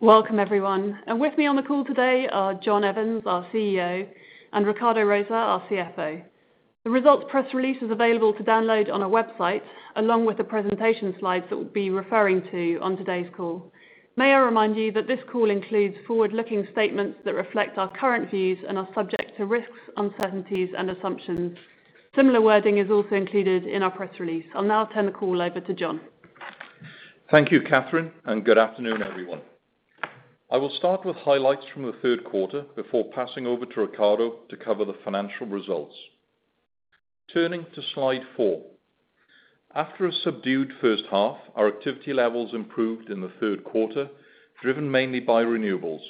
Welcome everyone. With me on the call today are John Evans, our CEO, and Ricardo Rosa, our CFO. The results press release is available to download on our website, along with the presentation slides that we'll be referring to on today's call. May I remind you that this call includes forward-looking statements that reflect our current views and are subject to risks, uncertainties, and assumptions. Similar wording is also included in our press release. I'll now turn the call over to John. Thank you, Katherine. Good afternoon, everyone. I will start with highlights from the third quarter before passing over to Ricardo to cover the financial results. Turning to slide four. After a subdued first half, our activity levels improved in the third quarter, driven mainly by renewables.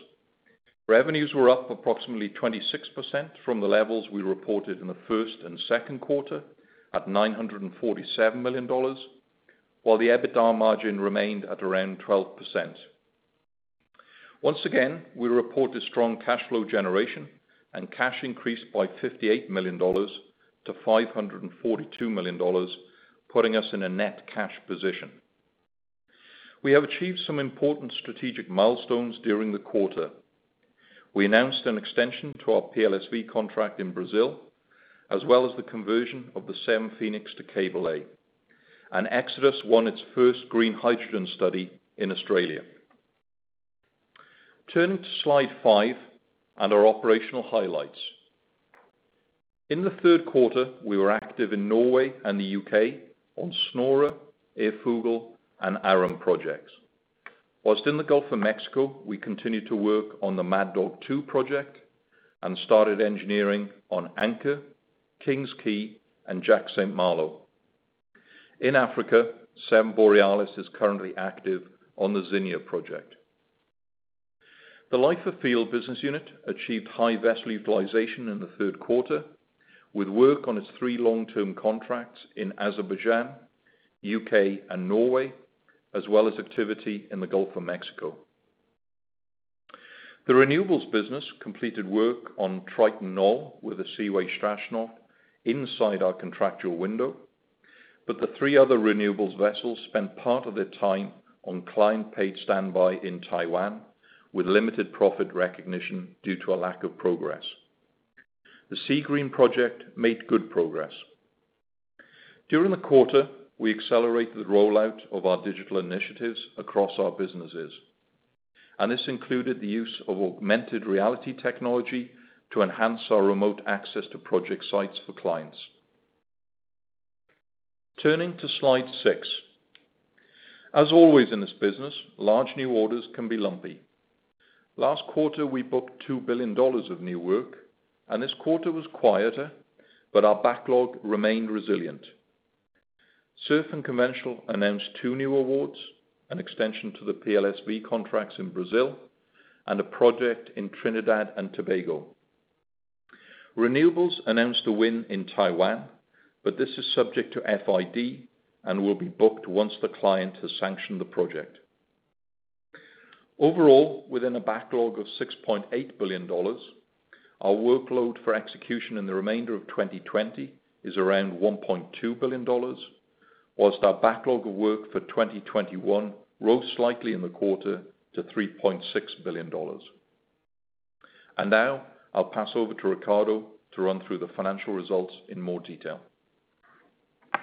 Revenues were up approximately 26% from the levels we reported in the first and second quarter at $947 million, while the EBITDA margin remained at around 12%. Once again, we reported strong cash flow generation, cash increased by $58 million to $542 million, putting us in a net cash position. We have achieved some important strategic milestones during the quarter. We announced an extension to our PLSV contract in Brazil, as well as the conversion of the Seven Phoenix to cable lay. Xodus won its first green hydrogen study in Australia. Turning to slide five, our operational highlights. In the third quarter, we were active in Norway and the U.K. on Snorre, Ærfugl, and Aramis projects. In the Gulf of Mexico, we continued to work on the Mad Dog 2 project and started engineering on Anchor, King's Quay, and Jack St. Malo. In Africa, Seven Borealis is currently active on the Zinia project. The Life of Field business unit achieved high vessel utilization in the third quarter with work on its three long-term contracts in Azerbaijan, U.K., and Norway, as well as activity in the Gulf of Mexico. The renewables business completed work on Triton Knoll with the Seaway Strashnov inside our contractual window, the three other renewables vessels spent part of their time on client-paid standby in Taiwan with limited profit recognition due to a lack of progress. The Seagreen project made good progress. During the quarter, we accelerated the rollout of our digital initiatives across our businesses, and this included the use of augmented reality technology to enhance our remote access to project sites for clients. Turning to slide six. As always in this business, large new orders can be lumpy. Last quarter, we booked $2 billion of new work, and this quarter was quieter, but our backlog remained resilient. Subsea and Conventional announced two new awards, an extension to the PLSV contracts in Brazil, and a project in Trinidad and Tobago. Renewables announced a win in Taiwan, but this is subject to FID and will be booked once the client has sanctioned the project. Overall, within a backlog of $6.8 billion, our workload for execution in the remainder of 2020 is around $1.2 billion, whilst our backlog of work for 2021 rose slightly in the quarter to $3.6 billion. Now I'll pass over to Ricardo to run through the financial results in more detail.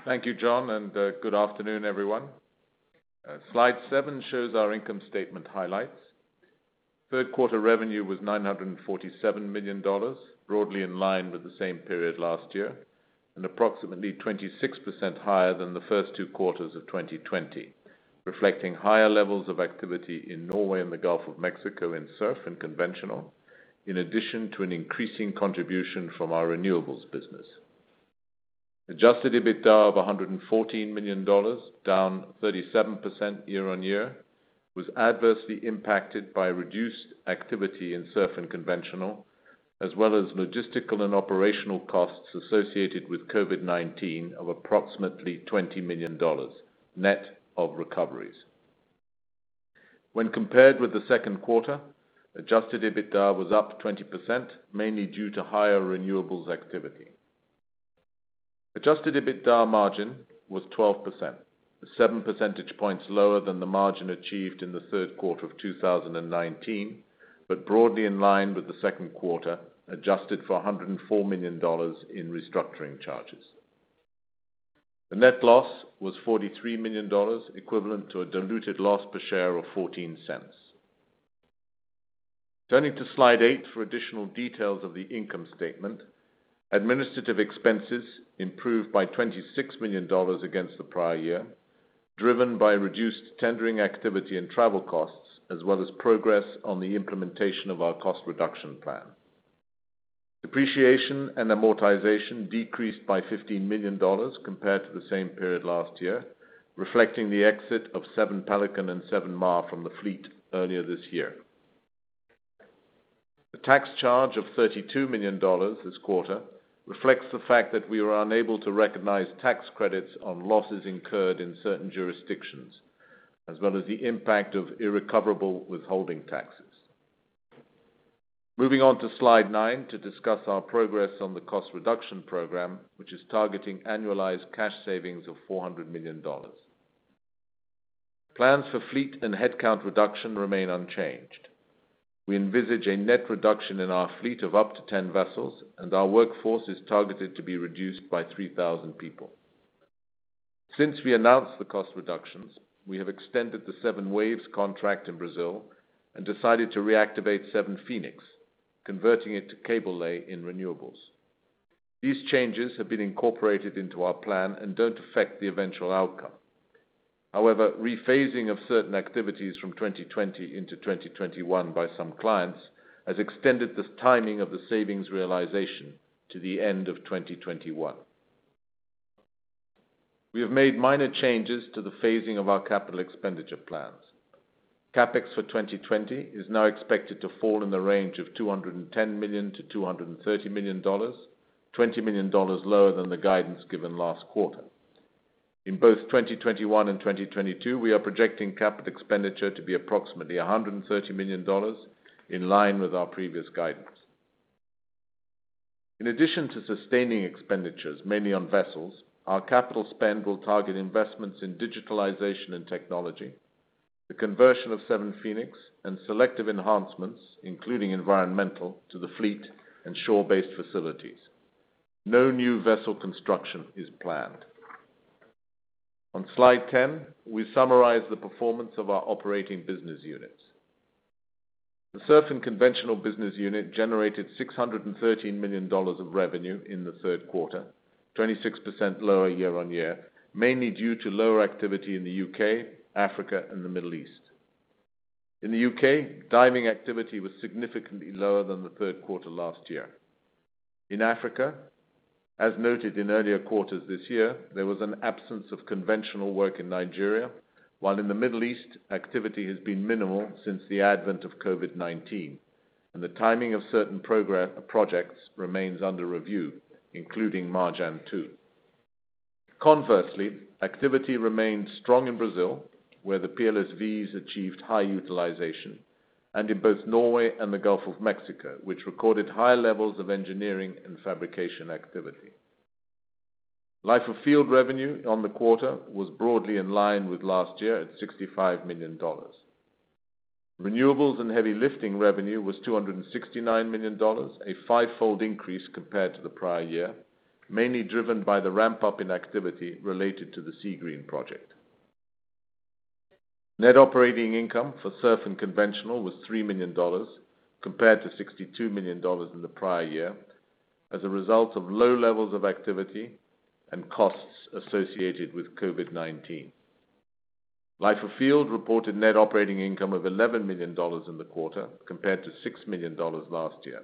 Thank you, John, and good afternoon, everyone. Slide seven shows our income statement highlights. Third quarter revenue was $947 million, broadly in line with the same period last year, and approximately 26% higher than the first two quarters of 2020, reflecting higher levels of activity in Norway and the Gulf of Mexico in Subsea and Conventional, in addition to an increasing contribution from our Renewables and Heavy Lifting business. Adjusted EBITDA of $114 million, down 37% year-on-year, was adversely impacted by reduced activity in Subsea and Conventional, as well as logistical and operational costs associated with COVID-19 of approximately $20 million, net of recoveries. When compared with the second quarter, adjusted EBITDA was up 20%, mainly due to higher renewables activity. Adjusted EBITDA margin was 12%, seven percentage points lower than the margin achieved in the third quarter of 2019, but broadly in line with the second quarter, adjusted for $104 million in restructuring charges. The net loss was $43 million, equivalent to a diluted loss per share of $0.14. Turning to slide eight for additional details of the income statement. Administrative expenses improved by $26 million against the prior year, driven by reduced tendering activity and travel costs, as well as progress on the implementation of our cost reduction plan. Depreciation and amortization decreased by $15 million compared to the same period last year, reflecting the exit of Seven Pelican and Seven Mar from the fleet earlier this year. The tax charge of $32 million this quarter reflects the fact that we were unable to recognize tax credits on losses incurred in certain jurisdictions, as well as the impact of irrecoverable withholding taxes. Moving on to slide nine to discuss our progress on the cost reduction program, which is targeting annualized cash savings of $400 million. Plans for fleet and headcount reduction remain unchanged. We envisage a net reduction in our fleet of up to 10 vessels, and our workforce is targeted to be reduced by 3,000 people. Since we announced the cost reductions, we have extended the Seven Waves contract in Brazil and decided to reactivate Seven Phoenix, converting it to cable lay in renewables. These changes have been incorporated into our plan and don't affect the eventual outcome. Rephasing of certain activities from 2020 into 2021 by some clients has extended the timing of the savings realization to the end of 2021. We have made minor changes to the phasing of our capital expenditure plans. CapEx for 2020 is now expected to fall in the range of $210 million-$230 million, $20 million lower than the guidance given last quarter. In both 2021 and 2022, we are projecting capital expenditure to be approximately $130 million, in line with our previous guidance. In addition to sustaining expenditures, mainly on vessels, our capital spend will target investments in digitalization and technology, the conversion of Seven Phoenix, and selective enhancements, including environmental to the fleet and shore-based facilities. No new vessel construction is planned. On slide 10, we summarize the performance of our operating business units. The Subsea and Conventional business unit generated $613 million of revenue in the third quarter, 26% lower year-on-year, mainly due to lower activity in the U.K., Africa, and the Middle East. In the U.K., diving activity was significantly lower than the third quarter last year. In Africa, as noted in earlier quarters this year, there was an absence of conventional work in Nigeria, while in the Middle East, activity has been minimal since the advent of COVID-19, and the timing of certain projects remains under review, including Marjan 2. Conversely, activity remains strong in Brazil, where the PLSVs achieved high utilization, and in both Norway and the Gulf of Mexico, which recorded high levels of engineering and fabrication activity. Life of Field revenue on the quarter was broadly in line with last year at $65 million. Renewables and Heavy Lifting revenue was $269 million, a fivefold increase compared to the prior year, mainly driven by the ramp-up in activity related to the Seagreen project. Net operating income for Subsea and Conventional was $3 million compared to $62 million in the prior year as a result of low levels of activity and costs associated with COVID-19. Life of Field reported net operating income of $11 million in the quarter, compared to $6 million last year,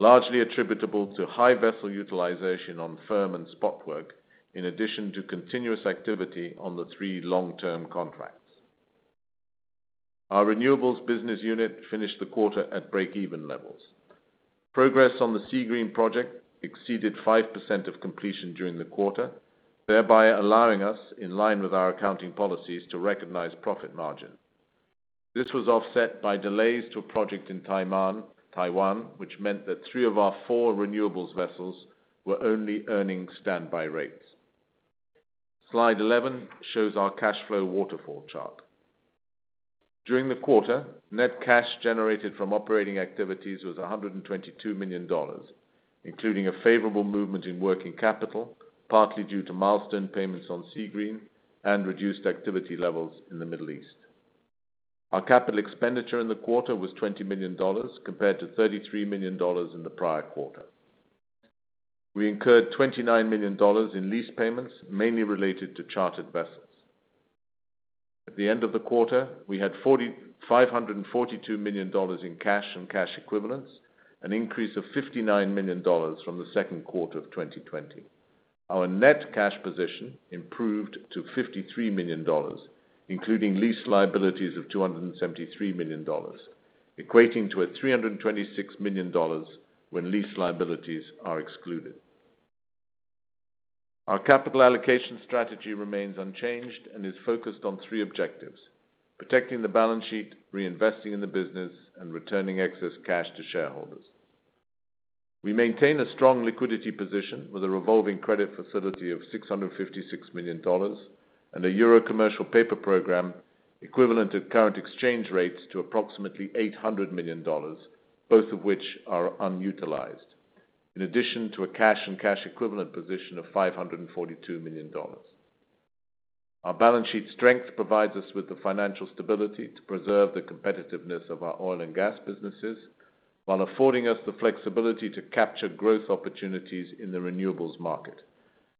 largely attributable to high vessel utilization on firm and spot work, in addition to continuous activity on the three long-term contracts. Our Renewables business unit finished the quarter at breakeven levels. Progress on the Seagreen project exceeded 5% of completion during the quarter, thereby allowing us, in line with our accounting policies, to recognize profit margin. This was offset by delays to a project in Taiwan, which meant that three of our four renewables vessels were only earning standby rates. Slide 11 shows our cash flow waterfall chart. During the quarter, net cash generated from operating activities was $122 million, including a favorable movement in working capital, partly due to milestone payments on Seagreen and reduced activity levels in the Middle East. Our capital expenditure in the quarter was $20 million, compared to $33 million in the prior quarter. We incurred $29 million in lease payments, mainly related to chartered vessels. At the end of the quarter, we had $542 million in cash and cash equivalents, an increase of $59 million from the second quarter of 2020. Our net cash position improved to $53 million, including lease liabilities of $273 million, equating to a $326 million when lease liabilities are excluded. Our capital allocation strategy remains unchanged and is focused on three objectives, protecting the balance sheet, reinvesting in the business, and returning excess cash to shareholders. We maintain a strong liquidity position with a revolving credit facility of $656 million and a Euro Commercial Paper program equivalent at current exchange rates to approximately $800 million, both of which are unutilized. In addition to a cash and cash-equivalent position of $542 million. Our balance sheet strength provides us with the financial stability to preserve the competitiveness of our oil and gas businesses while affording us the flexibility to capture growth opportunities in the renewables market.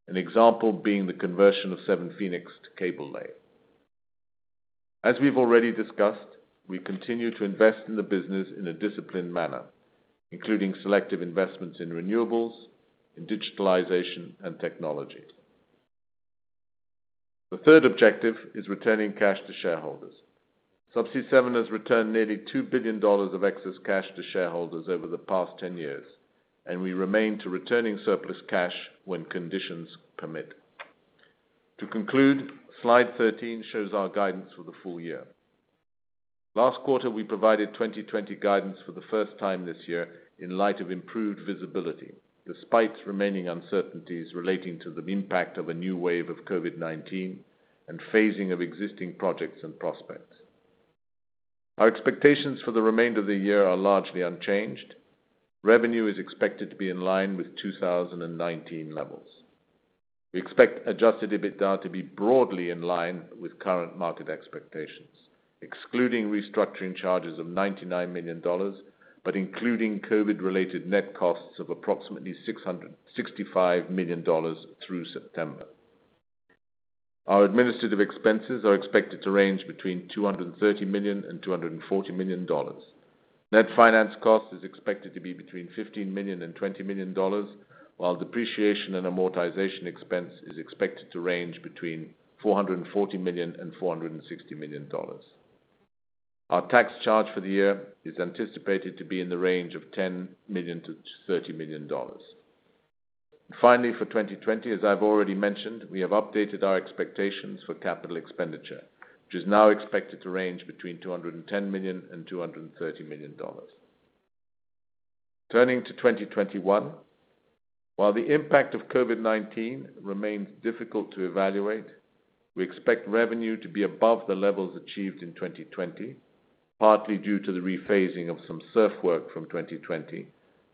An example being the conversion of Seven Phoenix to cable lay. As we've already discussed, we continue to invest in the business in a disciplined manner, including selective investments in renewables, in digitalization, and technology. The third objective is returning cash to shareholders. Subsea 7 has returned nearly $2 billion of excess cash to shareholders over the past 10 years, and we remain to returning surplus cash when conditions permit. To conclude, slide 13 shows our guidance for the full year. Last quarter, we provided 2020 guidance for the first time this year in light of improved visibility, despite remaining uncertainties relating to the impact of a new wave of COVID-19 and phasing of existing projects and prospects. Our expectations for the remainder of the year are largely unchanged. Revenue is expected to be in line with 2019 levels. We expect adjusted EBITDA to be broadly in line with current market expectations, excluding restructuring charges of $99 million, but including COVID related net costs of approximately $665 million through September. Our administrative expenses are expected to range between $230 million and $240 million. Net finance cost is expected to be between $15 million and $20 million, while depreciation and amortization expense is expected to range between $440 million and $460 million. Our tax charge for the year is anticipated to be in the range of $10 million-$30 million. Finally, for 2020, as I've already mentioned, we have updated our expectations for capital expenditure, which is now expected to range between $210 million and $230 million. Turning to 2021, while the impact of COVID-19 remains difficult to evaluate, we expect revenue to be above the levels achieved in 2020, partly due to the rephasing of some SURF work from 2020,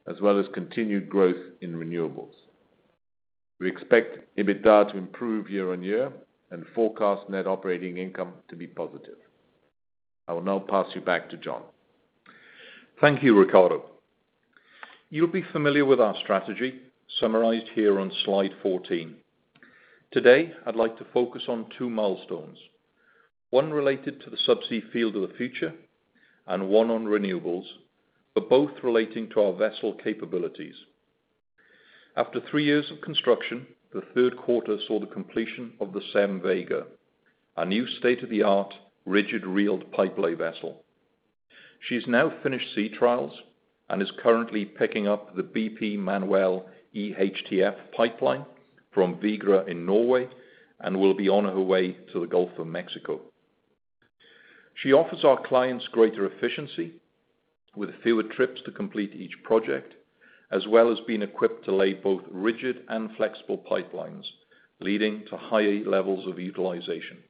as well as continued growth in renewables. We expect EBITDA to improve year-on-year and forecast net operating income to be positive. I will now pass you back to John. Thank you, Ricardo. You'll be familiar with our strategy summarized here on slide 14. Today, I'd like to focus on two milestones, one related to the Subsea field of the future and one on renewables, both relating to our vessel capabilities. After three years of construction, the third quarter saw the completion of the Seven Vega, a new state-of-the-art rigid reel pipelay vessel. She's now finished sea trials and is currently picking up the BP Manuel EHTF pipeline from Vigra in Norway and will be on her way to the Gulf of Mexico. She offers our clients greater efficiency with fewer trips to complete each project, as well as being equipped to lay both rigid and flexible pipelines, leading to high levels of utilization.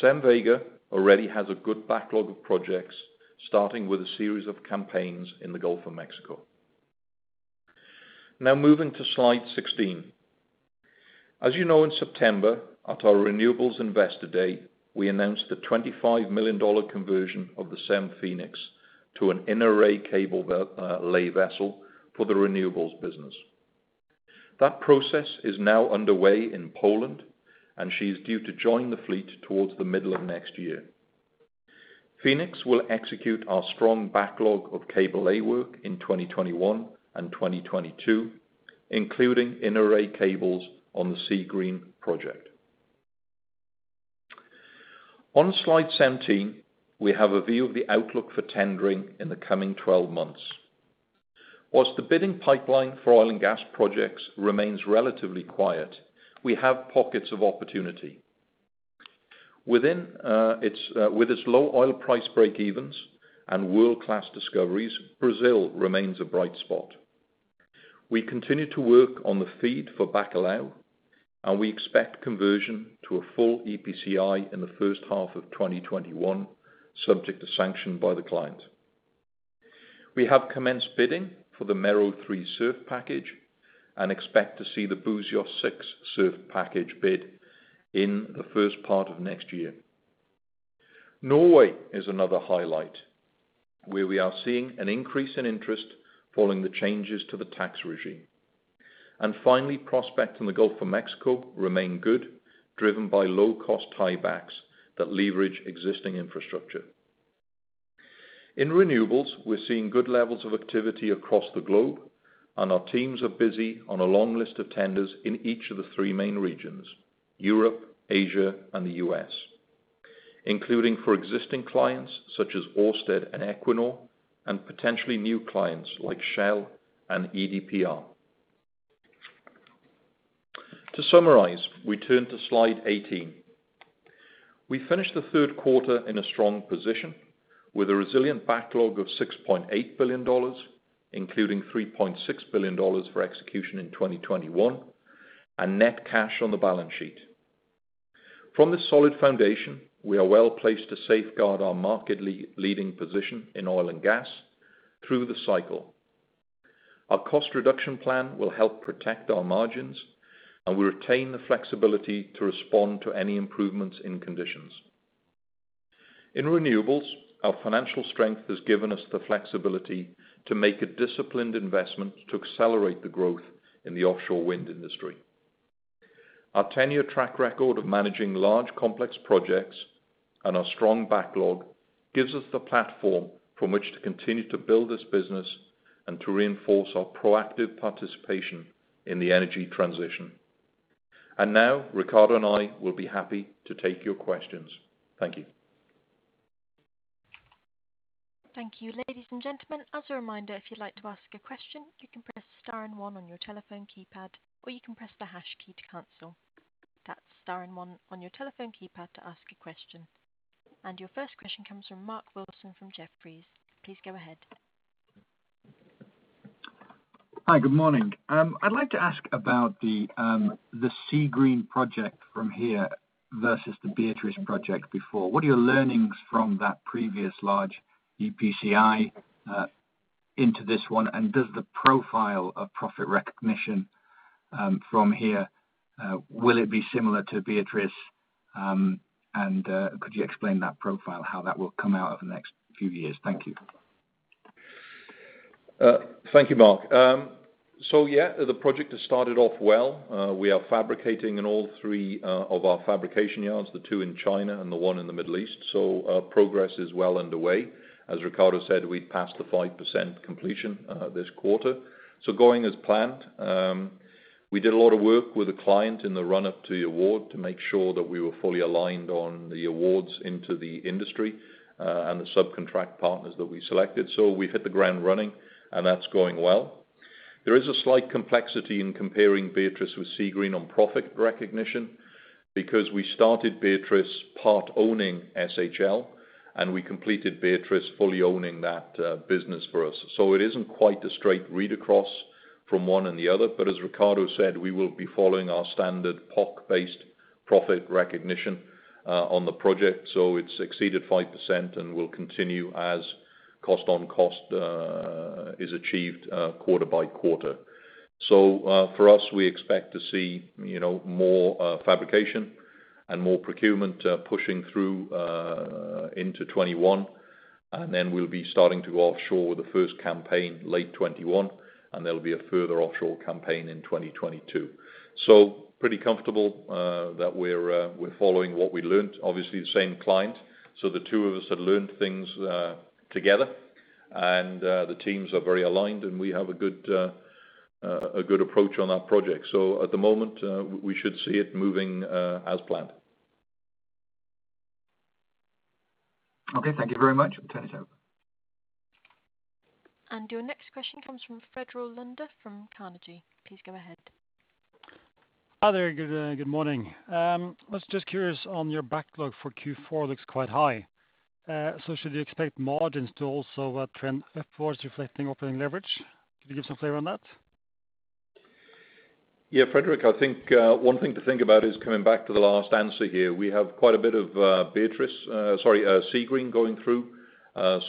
Seven Vega already has a good backlog of projects, starting with a series of campaigns in the Gulf of Mexico. Moving to slide 16. As you know, in September at our Renewables Investor Day, we announced a $25 million conversion of the Seven Phoenix to an inner array cable lay vessel for the renewables business. That process is now underway in Poland, she is due to join the fleet towards the middle of next year. Phoenix will execute our strong backlog of cable lay work in 2021 and 2022, including inner array cables on the Seagreen project. On slide 17, we have a view of the outlook for tendering in the coming 12 months. Whilst the bidding pipeline for oil and gas projects remains relatively quiet, we have pockets of opportunity. With its low oil price break evens and world-class discoveries, Brazil remains a bright spot. We continue to work on the FEED for Bacalhau. We expect conversion to a full EPCI in the first half of 2021, subject to sanction by the client. We have commenced bidding for the Mero 3 SURF package and expect to see the Buzios 6 SURF package bid in the first part of next year. Norway is another highlight, where we are seeing an increase in interest following the changes to the tax regime. Finally, prospects in the Gulf of Mexico remain good, driven by low-cost tiebacks that leverage existing infrastructure. In renewables, we're seeing good levels of activity across the globe, and our teams are busy on a long list of tenders in each of the three main regions, Europe, Asia, and the U.S., including for existing clients such as Ørsted and Equinor, and potentially new clients like Shell and EDPR. To summarize, we turn to slide 18. We finished the third quarter in a strong position with a resilient backlog of $6.8 billion, including $3.6 billion for execution in 2021, and net cash on the balance sheet. From this solid foundation, we are well placed to safeguard our market-leading position in oil and gas through the cycle. Our cost reduction plan will help protect our margins, we retain the flexibility to respond to any improvements in conditions. In renewables, our financial strength has given us the flexibility to make a disciplined investment to accelerate the growth in the offshore wind industry. Our 10-year track record of managing large, complex projects and our strong backlog gives us the platform from which to continue to build this business and to reinforce our proactive participation in the energy transition. Now Ricardo and I will be happy to take your questions. Thank you. Thank you. Ladies and gentlemen, as a reminder, if you'd like to ask a question, you can press star and one on your telephone keypad, or you can press the hash key to cancel. That's star and one on your telephone keypad to ask a question. Your first question comes from Mark Wilson from Jefferies. Please go ahead. Hi, good morning. I'd like to ask about the Seagreen project from here versus the Beatrice project before. What are your learnings from that previous large EPCI into this one? Does the profile of profit recognition from here, will it be similar to Beatrice? Could you explain that profile, how that will come out over the next few years? Thank you. Thank you, Mark. Yeah, the project has started off well. We are fabricating in all three of our fabrication yards, the two in China and the one in the Middle East. Our progress is well underway. As Ricardo said, we passed the 5% completion this quarter, going as planned. We did a lot of work with the client in the run-up to the award to make sure that we were fully aligned on the awards into the industry, and the subcontract partners that we selected. We've hit the ground running, and that's going well. There is a slight complexity in comparing Beatrice with Seagreen on profit recognition, because we started Beatrice part-owning SHL, and we completed Beatrice fully owning that business for us. It isn't quite a straight read-across from one and the other. As Ricardo said, we will be following our standard PoC-based profit recognition on the project. It's exceeded 5% and will continue as cost-on-cost is achieved quarter-by-quarter. For us, we expect to see more fabrication and more procurement pushing through into 2021, and then we'll be starting to go offshore with the first campaign late 2021, and there'll be a further offshore campaign in 2022. Pretty comfortable that we're following what we learned. Obviously, the same client, so the two of us have learned things together, and the teams are very aligned, and we have a good approach on that project. At the moment, we should see it moving as planned. Okay, thank you very much. Turn it over. Your next question comes from Frederik Lunde from Carnegie. Please go ahead. Hi there. Good morning. I was just curious on your backlog for Q4, looks quite high. Should you expect margins to also trend upwards reflecting operating leverage? Could you give some flavor on that? Yeah, Frederik, I think one thing to think about is coming back to the last answer here. We have quite a bit of Beatrice, sorry, Seagreen going through.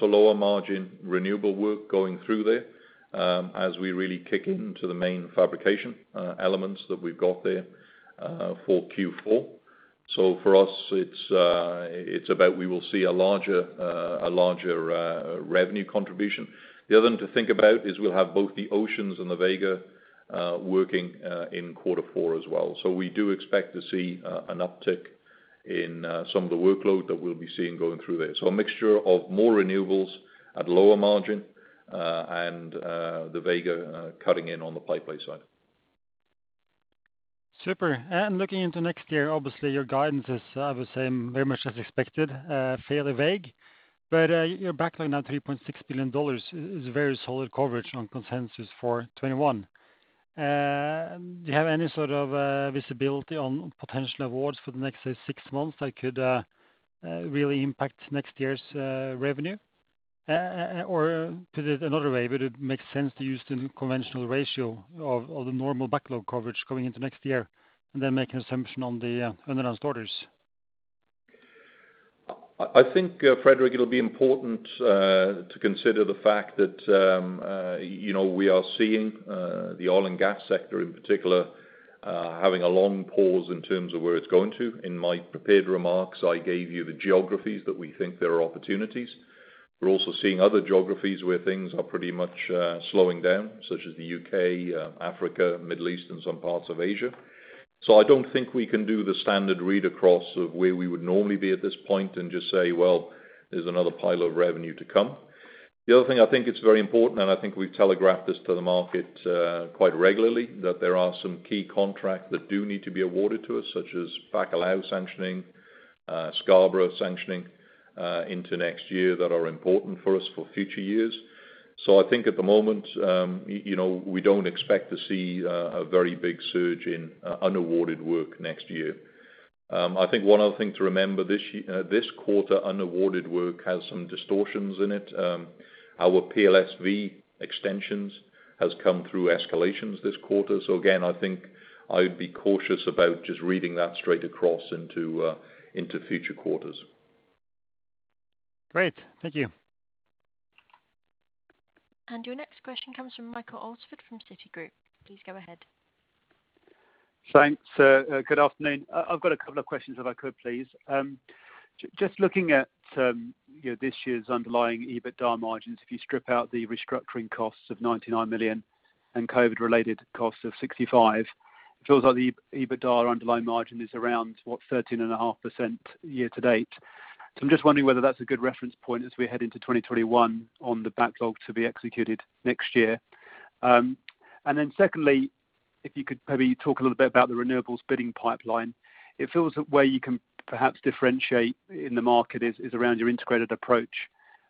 Lower margin renewable work going through there, as we really kick into the main fabrication elements that we've got there for Q4. For us, it's about we will see a larger revenue contribution. The other one to think about is we'll have both the Seven Oceans and the Seven Vega working in quarter four as well. We do expect to see an uptick in some of the workload that we'll be seeing going through there. A mixture of more renewables at lower margin, and the Seven Vega cutting in on the pipeline side. Super. Looking into next year, obviously, your guidance is, I would say, very much as expected, fairly vague. Your backlog now, $3.6 billion, is very solid coverage on consensus for 2021. Do you have any sort of visibility on potential awards for the next, say, six months that could really impact next year's revenue? To put it another way, would it make sense to use the conventional ratio of the normal backlog coverage going into next year and then make an assumption on the unannounced orders? I think, Frederik, it'll be important to consider the fact that we are seeing the oil and gas sector in particular, having a long pause in terms of where it's going to. In my prepared remarks, I gave you the geographies that we think there are opportunities. We're also seeing other geographies where things are pretty much slowing down, such as the U.K., Africa, Middle East, and some parts of Asia. I don't think we can do the standard read-across of where we would normally be at this point and just say, "Well, there's another pile of revenue to come." The other thing, I think it's very important, and I think we've telegraphed this to the market quite regularly, that there are some key contracts that do need to be awarded to us, such as Bacalhau sanctioning, Scarborough sanctioning into next year, that are important for us for future years. I think at the moment, we don't expect to see a very big surge in unawarded work next year. I think one other thing to remember this quarter, unawarded work has some distortions in it. Our PLSV extensions has come through escalations this quarter. Again, I think I would be cautious about just reading that straight across into future quarters. Great. Thank you. Your next question comes from Michael Alsford from Citigroup. Please go ahead. Thanks. Good afternoon. I've got a couple of questions if I could, please. Just looking at this year's underlying EBITDA margins. If you strip out the restructuring costs of $99 million and COVID related costs of $65 million, it feels like the EBITDA underlying margin is around, what, 13.5% year-to-date. I'm just wondering whether that's a good reference point as we head into 2021 on the backlog to be executed next year. Secondly, if you could maybe talk a little bit about the renewables bidding pipeline. It feels a way you can perhaps differentiate in the market is around your integrated approach.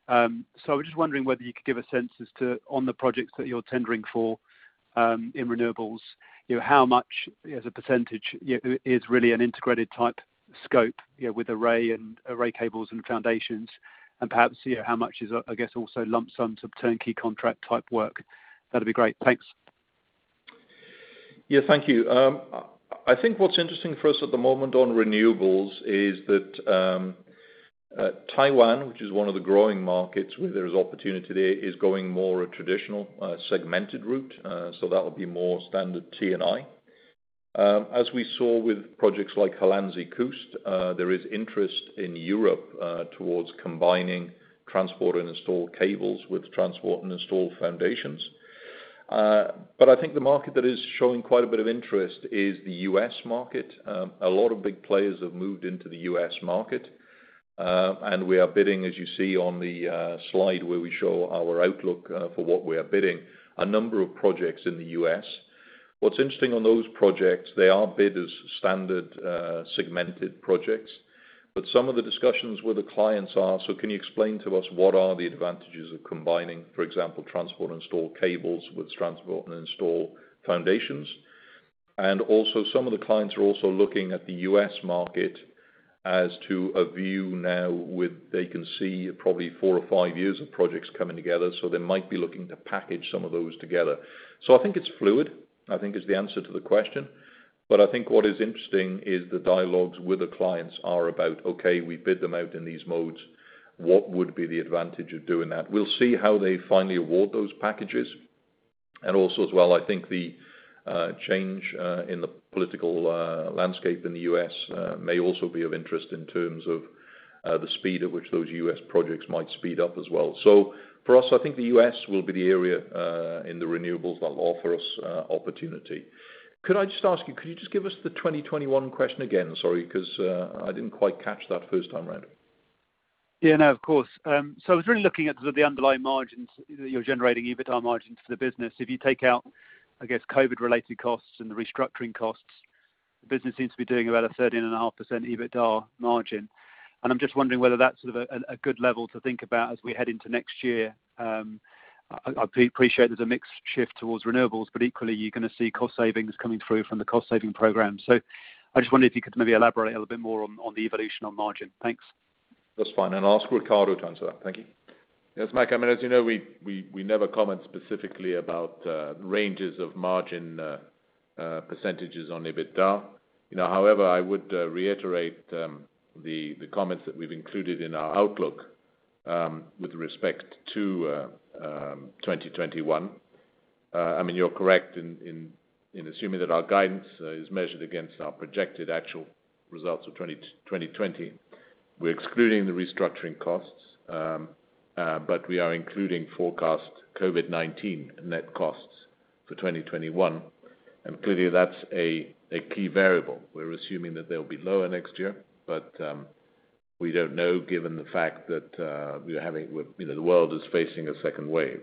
I was just wondering whether you could give a sense as to on the projects that you're tendering for in renewables, how much as a percentage is really an integrated type scope, with array and array cables and foundations, and perhaps, how much is, I guess, also lump sum to turnkey contract type work? That'd be great. Thanks. Yeah, thank you. I think what's interesting for us at the moment on renewables is that Taiwan, which is one of the growing markets where there is opportunity today, is going more a traditional, segmented route. That'll be more standard T&I. As we saw with projects like Hollandse Kust, there is interest in Europe towards combining transport and install cables with transport and install foundations. I think the market that is showing quite a bit of interest is the U.S. market. A lot of big players have moved into the U.S. market. We are bidding, as you see on the slide where we show our outlook for what we are bidding, a number of projects in the U.S. What's interesting on those projects, they are bid as standard segmented projects, some of the discussions with the clients are, "Can you explain to us what are the advantages of combining, for example, transport install cables with transport and install foundations?" Also, some of the clients are also looking at the U.S. market as to a view now where they can see probably four or five years of projects coming together, they might be looking to package some of those together. I think it's fluid, I think is the answer to the question. I think what is interesting is the dialogues with the clients are about, okay, we bid them out in these modes. What would be the advantage of doing that? We'll see how they finally award those packages. Also as well, I think the change in the political landscape in the U.S. may also be of interest in terms of the speed at which those U.S. projects might speed up as well. For us, I think the U.S. will be the area in the renewables that will offer us opportunity. Could I just ask you, could you just give us the 2021 question again? Sorry, because I didn't quite catch that first time around. Yeah, no, of course. I was really looking at sort of the underlying margins that you're generating, EBITDA margins for the business. If you take out, I guess, COVID-19-related costs and the restructuring costs, the business seems to be doing about a 13.5% EBITDA margin. I'm just wondering whether that's sort of a good level to think about as we head into next year. I appreciate there's a mixed shift towards renewables, but equally, you're going to see cost savings coming through from the cost-saving program. I just wondered if you could maybe elaborate a little bit more on the evolution on margin. Thanks. That's fine, and I'll ask Ricardo to answer that. Thank you. Yes, Michael, as you know, we never comment specifically about ranges of margin percentages on EBITDA. I would reiterate the comments that we've included in our outlook with respect to 2021. You're correct in assuming that our guidance is measured against our projected actual results of 2020. We're excluding the restructuring costs, we are including forecast COVID-19 net costs for 2021. Clearly, that's a key variable. We're assuming that they'll be lower next year, we don't know, given the fact that the world is facing a second wave.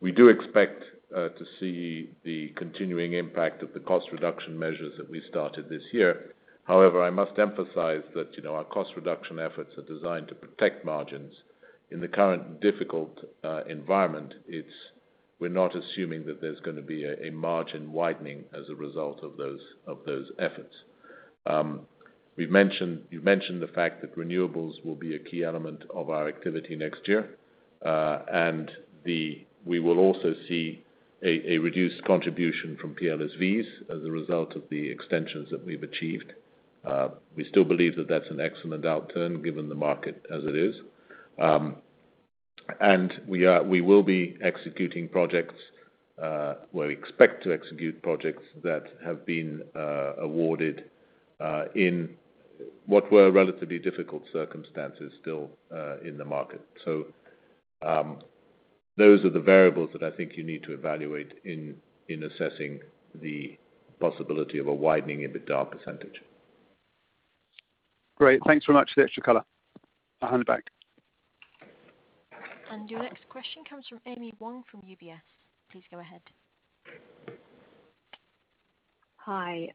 We do expect to see the continuing impact of the cost reduction measures that we started this year. I must emphasize that our cost reduction efforts are designed to protect margins. In the current difficult environment, we're not assuming that there's going to be a margin widening as a result of those efforts. You've mentioned the fact that renewables will be a key element of our activity next year. We will also see a reduced contribution from PLSVs as a result of the extensions that we've achieved. We still believe that that's an excellent outturn given the market as it is. We will be executing projects, well, we expect to execute projects that have been awarded in what were relatively difficult circumstances still in the market. Those are the variables that I think you need to evaluate in assessing the possibility of a widening EBITDA percentage. Great. Thanks very much for the extra color. I'll hand back. Your next question comes from Amy Wong from UBS. Please go ahead. Hi,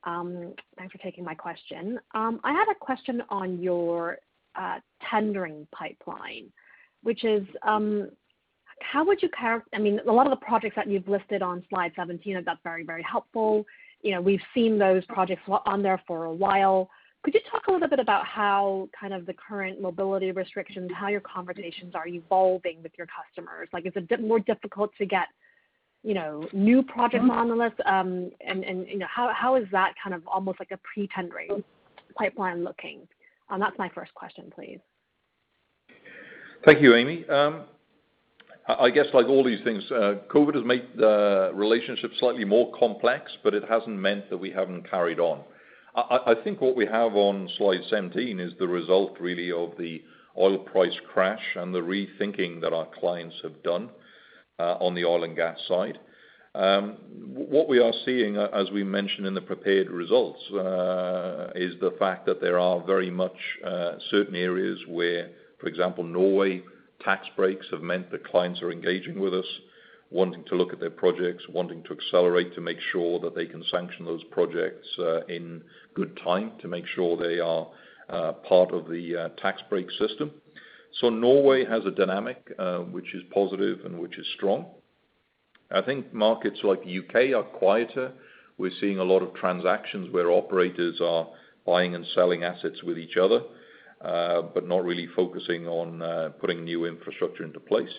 thanks for taking my question. I had a question on your tendering pipeline, which is, a lot of the projects that you've listed on slide 17, and that's very helpful. We've seen those projects on there for a while. Could you talk a little bit about how kind of the current mobility restrictions, how your conversations are evolving with your customers? Is it more difficult to get new projects on the list? How is that kind of almost like a pre-tendering pipeline looking? That's my first question, please. Thank you, Amy. I guess like all these things, COVID has made the relationship slightly more complex, but it hasn't meant that we haven't carried on. I think what we have on slide 17 is the result really of the oil price crash and the rethinking that our clients have done on the oil and gas side. What we are seeing, as we mentioned in the prepared results, is the fact that there are very much certain areas where, for example, Norway tax breaks have meant that clients are engaging with us, wanting to look at their projects, wanting to accelerate to make sure that they can sanction those projects in good time to make sure they are part of the tax break system. Norway has a dynamic which is positive and which is strong. I think markets like the U.K. are quieter. We're seeing a lot of transactions where operators are buying and selling assets with each other, but not really focusing on putting new infrastructure into place.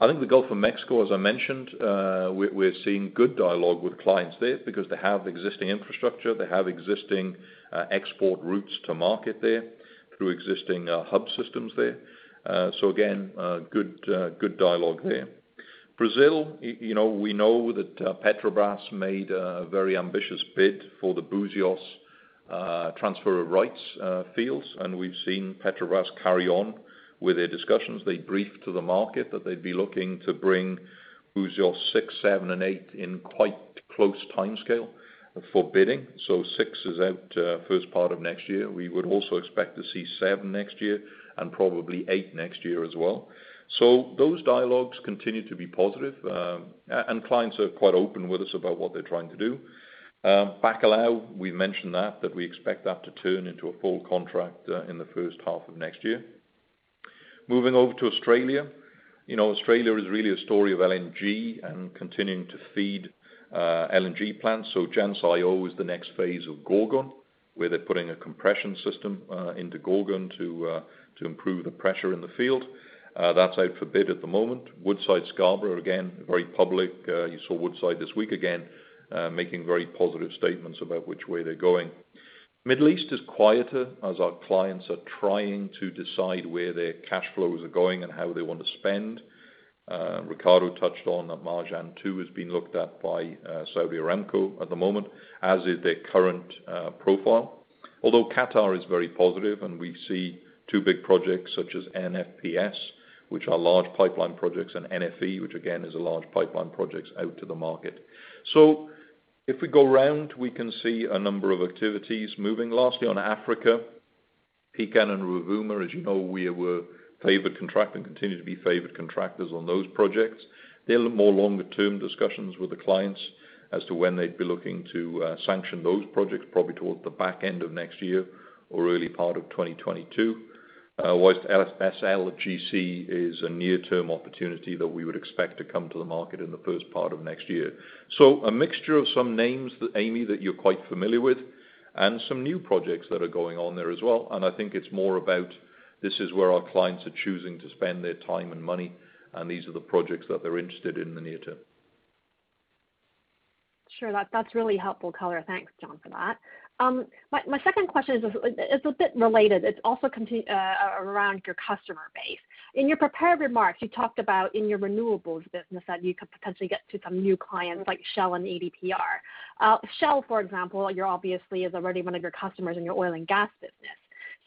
I think the Gulf of Mexico, as I mentioned, we're seeing good dialogue with clients there because they have existing infrastructure, they have existing export routes to market there through existing hub systems there. Again, good dialogue there. Brazil, we know that Petrobras made a very ambitious bid for the Buzios transfer of rights fields, and we've seen Petrobras carry on with their discussions. They briefed to the market that they'd be looking to bring Buzios 6, seven, and eight in quite close timescale for bidding. Six is out first part of next year. We would also expect to see seven next year and probably eight next year as well. Those dialogues continue to be positive. Clients are quite open with us about what they're trying to do. Bacalhau, we mentioned that we expect that to turn into a full contract in the first half of next year. Moving over to Australia. Australia is really a story of LNG and continuing to feed LNG plants. Jansz-Io is the next phase of Gorgon, where they're putting a compression system into Gorgon to improve the pressure in the field. That's out for bid at the moment. Woodside Scarborough, again, very public. You saw Woodside this week again, making very positive statements about which way they're going. Middle East is quieter as our clients are trying to decide where their cash flows are going and how they want to spend. Ricardo touched on Marjan 2 is being looked at by Saudi Aramco at the moment, as is their current profile. Qatar is very positive. We see two big projects such as NFPS, which are large pipeline projects, and NFE, which again is a large pipeline projects out to the market. If we go around, we can see a number of activities moving. Lastly, on Africa, Pecan and Rovuma, as you know, we were favored contract and continue to be favored contractors on those projects. They're more longer-term discussions with the clients as to when they'd be looking to sanction those projects, probably towards the back end of next year or early part of 2022. Whilst SLGC is a near-term opportunity that we would expect to come to the market in the first part of next year. A mixture of some names, Amy, that you're quite familiar with, and some new projects that are going on there as well. I think it's more about this is where our clients are choosing to spend their time and money, and these are the projects that they're interested in the near term. Sure. That's really helpful color. Thanks, John, for that. My second question is a bit related. It's also around your customer base. In your prepared remarks, you talked about in your renewables business that you could potentially get to some new clients like Shell and EDPR. Shell, for example, obviously is already one of your customers in your oil and gas business.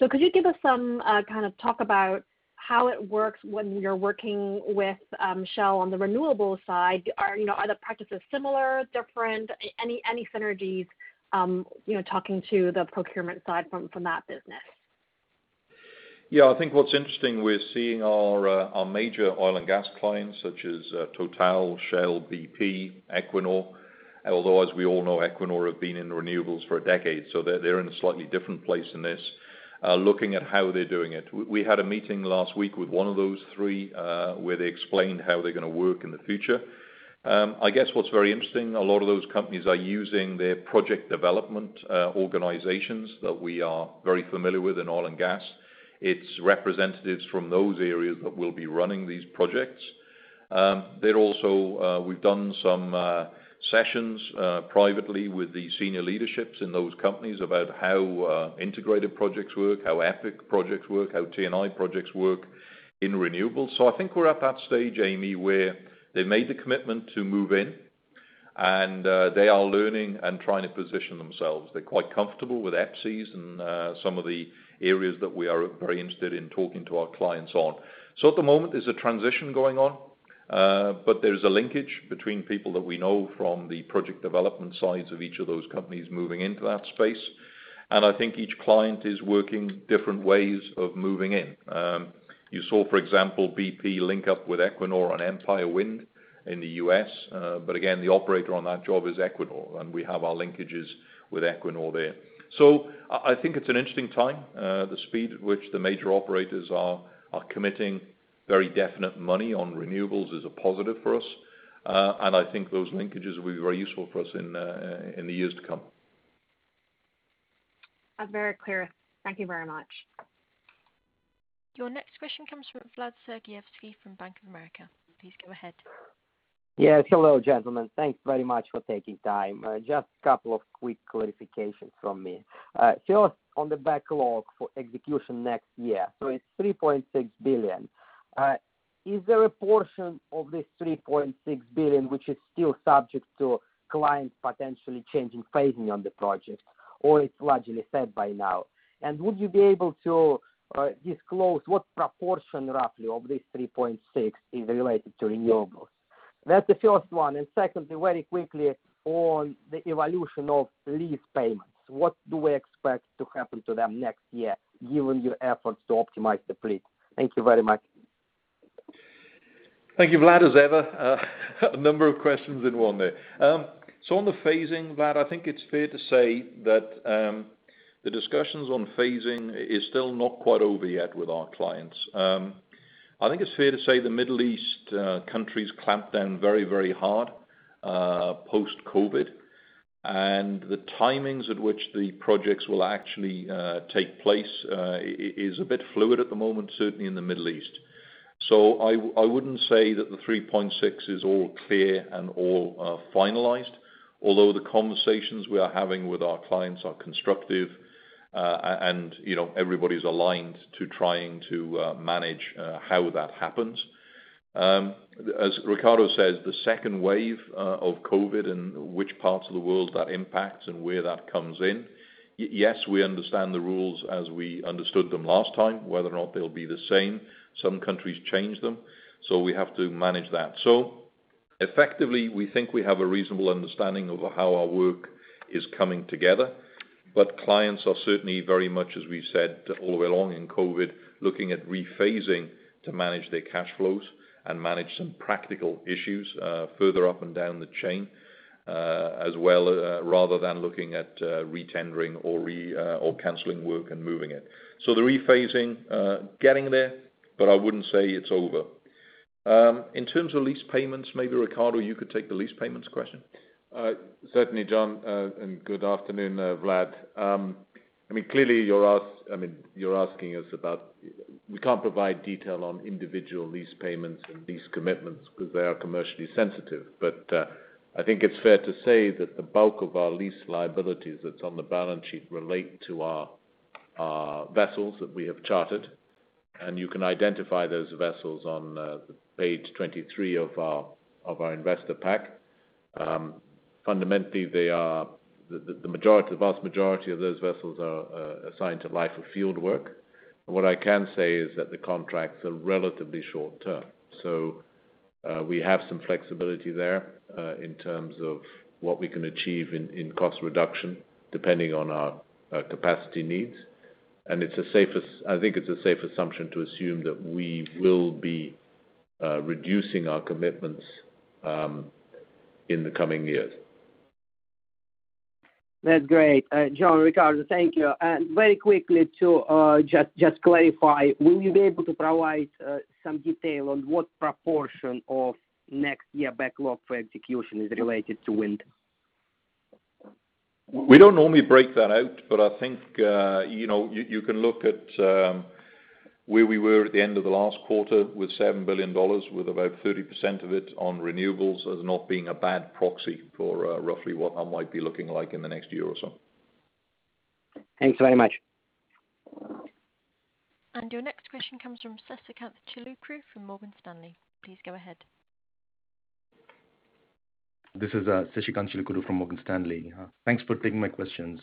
Could you give us kind of talk about how it works when you're working with Shell on the renewables side? Are the practices similar, different? Any synergies talking to the procurement side from that business? Yeah, I think what's interesting, we're seeing our major oil and gas clients, such as TotalEnergies, Shell, BP, Equinor. Although as we all know, Equinor have been in renewables for a decade, so they're in a slightly different place in this, looking at how they're doing it. We had a meeting last week with one of those three, where they explained how they're going to work in the future. I guess what's very interesting, a lot of those companies are using their project development organizations that we are very familiar with in oil and gas. It's representatives from those areas that will be running these projects. We've done some sessions privately with the senior leaderships in those companies about how integrated projects work, how EPIC projects work, how T&I projects work in renewables. I think we're at that stage, Amy, where they made the commitment to move in, and they are learning and trying to position themselves. They're quite comfortable with EPCs and some of the areas that we are very interested in talking to our clients on. At the moment, there's a transition going on, but there's a linkage between people that we know from the project development sides of each of those companies moving into that space. I think each client is working different ways of moving in. You saw, for example, BP link up with Equinor on Empire Wind in the U.S. Again, the operator on that job is Equinor, and we have our linkages with Equinor there. I think it's an interesting time. The speed at which the major operators are committing very definite money on renewables is a positive for us. I think those linkages will be very useful for us in the years to come. That's very clear. Thank you very much. Your next question comes from Vladimir Sergievskiy from Bank of America. Please go ahead. Hello, gentlemen. Thanks very much for taking time. Couple of quick clarifications from me. First, on the backlog for execution next year. It's $3.6 billion. Is there a portion of this $3.6 billion which is still subject to clients potentially changing phasing on the project, or it's largely set by now? Would you be able to disclose what proportion roughly of this $3.6 billion is related to renewables? That's the first one. Secondly, very quickly on the evolution of lease payments. What do we expect to happen to them next year, given your efforts to optimize the fleet? Thank you very much. Thank you, Vlad, as ever, a number of questions in one there. On the phasing, Vlad, I think it's fair to say the discussions on phasing is still not quite over yet with our clients. I think it's fair to say the Middle East countries clamped down very hard post-COVID. The timings at which the projects will actually take place is a bit fluid at the moment, certainly in the Middle East. I wouldn't say that the 3.6 is all clear and all finalized. Although the conversations we are having with our clients are constructive, and everybody's aligned to trying to manage how that happens. As Ricardo said, the second wave of COVID and which parts of the world that impacts and where that comes in. Yes, we understand the rules as we understood them last time, whether or not they'll be the same. Some countries change them, so we have to manage that. Effectively, we think we have a reasonable understanding of how our work is coming together. Clients are certainly very much, as we said all the way along in COVID, looking at rephasing to manage their cash flows and manage some practical issues further up and down the chain, as well, rather than looking at retendering or canceling work and moving it. The rephasing, getting there, but I wouldn't say it's over. In terms of lease payments, maybe Ricardo, you could take the lease payments question. Certainly, John, good afternoon, Vlad. We can't provide detail on individual lease payments and lease commitments because they are commercially sensitive. I think it's fair to say that the bulk of our lease liabilities that's on the balance sheet relate to our vessels that we have chartered, and you can identify those vessels on page 23 of our investor pack. Fundamentally, the vast majority of those vessels are assigned to Life of Field work. What I can say is that the contracts are relatively short-term. We have some flexibility there, in terms of what we can achieve in cost reduction depending on our capacity needs. I think it's a safe assumption to assume that we will be reducing our commitments in the coming years. That's great. John, Ricardo, thank you. Very quickly to just clarify, will you be able to provide some detail on what proportion of next year backlog for execution is related to wind? I think you can look at where we were at the end of the last quarter with $7 billion, with about 30% of it on renewables as not being a bad proxy for roughly what that might be looking like in the next year or so. Thanks very much. Your next question comes from Sasikanth Chilukuru from Morgan Stanley. Please go ahead. This is Sasikanth Chilukuru from Morgan Stanley. Thanks for taking my questions.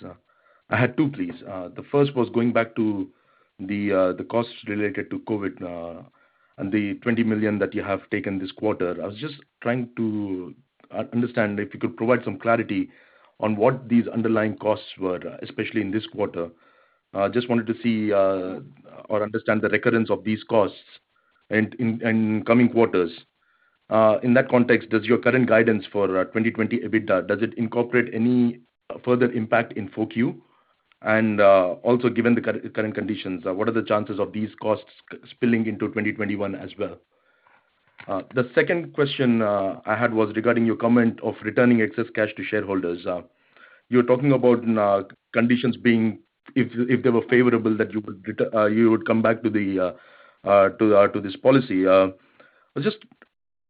I had two, please. The first was going back to the costs related to COVID, and the $20 million that you have taken this quarter. I was just trying to understand if you could provide some clarity on what these underlying costs were, especially in this quarter. Just wanted to see or understand the recurrence of these costs in coming quarters. In that context, does your current guidance for 2020 EBITDA, does it incorporate any further impact in 4Q? Also given the current conditions, what are the chances of these costs spilling into 2021 as well? The second question I had was regarding your comment of returning excess cash to shareholders. You're talking about conditions being, if they were favorable, that you would come back to this policy. I was just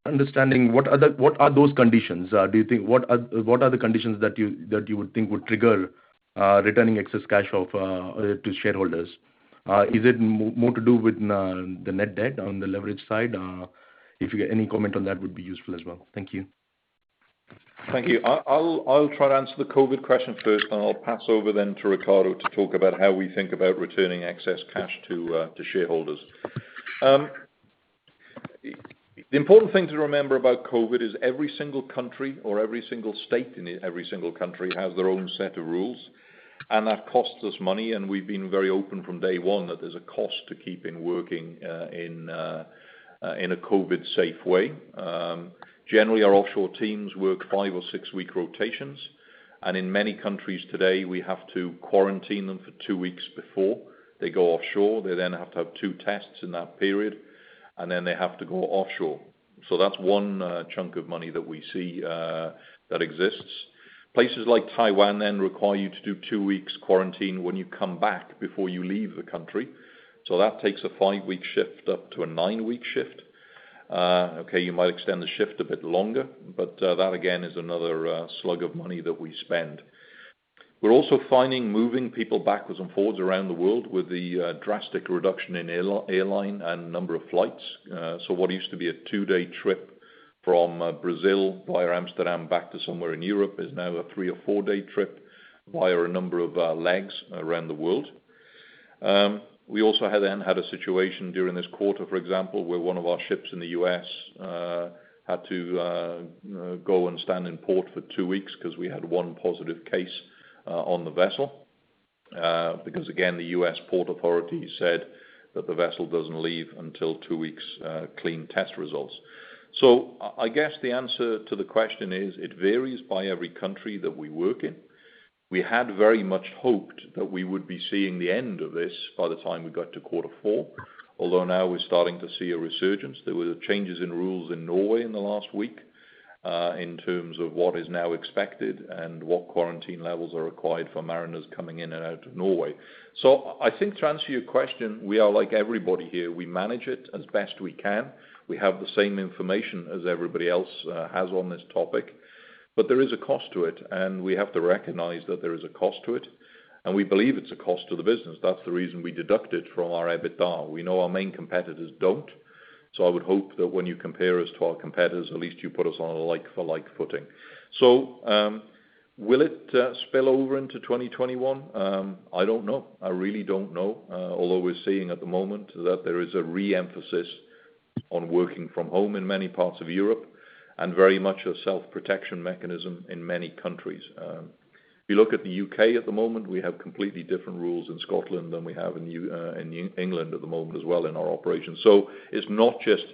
understanding what are those conditions? What are the conditions that you would think would trigger returning excess cash to shareholders? Is it more to do with the net debt on the leverage side? If you get any comment on that would be useful as well. Thank you. Thank you. I'll try to answer the COVID question first, then I'll pass over then to Ricardo to talk about how we think about returning excess cash to shareholders. The important thing to remember about COVID is every single country or every single state in every single country has their own set of rules, and that costs us money, and we've been very open from day one that there's a cost to keeping working in a COVID-safe way. Generally, our offshore teams work five or six-week rotations, and in many countries today, we have to quarantine them for two weeks before they go offshore. They then have to have two tests in that period, and then they have to go offshore. That's one chunk of money that we see that exists. Places like Taiwan require you to do two weeks quarantine when you come back before you leave the country. That takes a five-week shift up to a nine-week shift. Okay, you might extend the shift a bit longer, that again is another slug of money that we spend. We're also finding moving people backwards and forwards around the world with the drastic reduction in airline and number of flights. What used to be a two-day trip from Brazil via Amsterdam back to somewhere in Europe is now a three or four-day trip via a number of legs around the world. We also then had a situation during this quarter, for example, where one of our ships in the U.S. had to go and stand in port for two weeks because we had one positive case on the vessel. Again, the U.S. Port Authority said that the vessel doesn't leave until two weeks clean test results. I guess the answer to the question is it varies by every country that we work in. We had very much hoped that we would be seeing the end of this by the time we got to quarter four. Now we're starting to see a resurgence. There were changes in rules in Norway in the last week, in terms of what is now expected and what quarantine levels are required for mariners coming in and out of Norway. I think to answer your question, we are like everybody here. We manage it as best we can. We have the same information as everybody else has on this topic, but there is a cost to it, and we have to recognize that there is a cost to it, and we believe it's a cost to the business. That's the reason we deduct it from our EBITDA. We know our main competitors don't. I would hope that when you compare us to our competitors, at least you put us on a like-for-like footing. Will it spill over into 2021? I don't know. I really don't know. Although we're seeing at the moment that there is a re-emphasis on working from home in many parts of Europe, and very much a self-protection mechanism in many countries. If you look at the U.K. at the moment, we have completely different rules in Scotland than we have in England at the moment as well in our operations. It's not just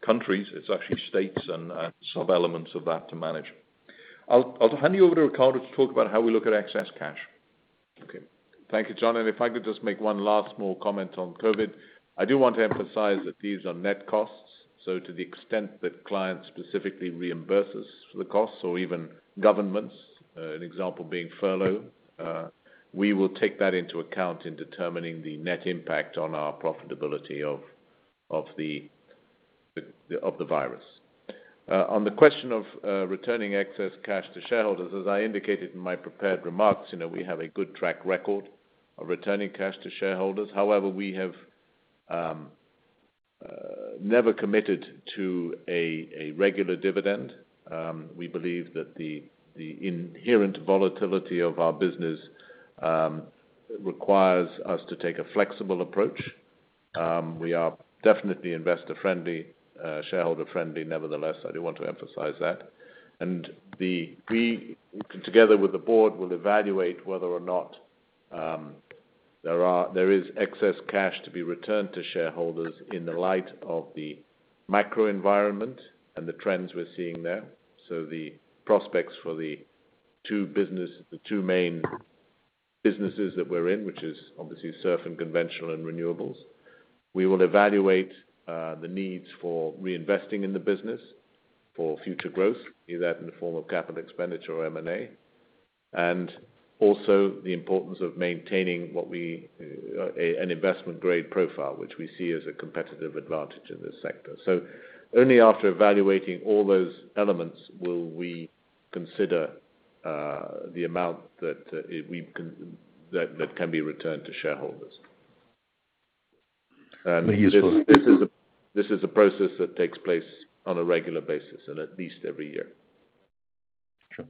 countries, it's actually states and sub-elements of that to manage. I'll hand you over to Ricardo to talk about how we look at excess cash. Okay. Thank you, John. If I could just make one last more comment on COVID. I do want to emphasize that these are net costs, so to the extent that clients specifically reimburses the costs or even governments, an example being furlough, we will take that into account in determining the net impact on our profitability of the virus. On the question of returning excess cash to shareholders, as I indicated in my prepared remarks, we have a good track record of returning cash to shareholders. However, we have never committed to a regular dividend. We believe that the inherent volatility of our business requires us to take a flexible approach. We are definitely investor friendly, shareholder friendly, nevertheless. I do want to emphasize that. We, together with the board, will evaluate whether or not there is excess cash to be returned to shareholders in the light of the macro environment and the trends we're seeing there. The prospects for the two main businesses that we're in, which is obviously Subsea and Conventional and Renewables. We will evaluate the needs for reinvesting in the business for future growth, be that in the form of capital expenditure or M&A. Also the importance of maintaining an investment-grade profile, which we see as a competitive advantage in this sector. Only after evaluating all those elements will we consider the amount that can be returned to shareholders. Very useful. This is a process that takes place on a regular basis and at least every year. Sure.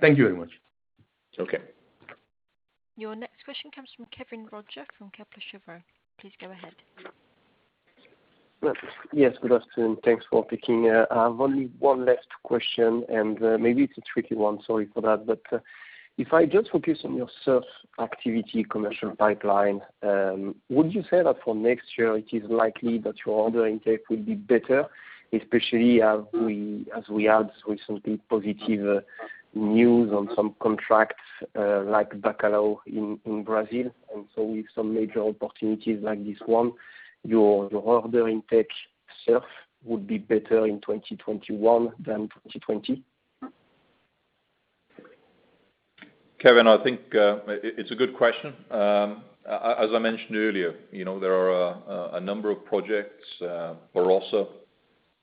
Thank you very much. Okay. Your next question comes from Kévin Roger from Kepler Cheuvreux. Please go ahead. Yes. Good afternoon. Thanks for taking. I have only one last question. Maybe it's a tricky one, sorry for that. If I just focus on your SURF activity commercial pipeline, would you say that for next year it is likely that your order intake will be better, especially as we heard recently positive news on some contracts, like Bacalhau in Brazil, with some major opportunities like this one, your order intake SURF would be better in 2021 than 2020? Kévin, I think it's a good question. As I mentioned earlier, there are a number of projects, Barossa,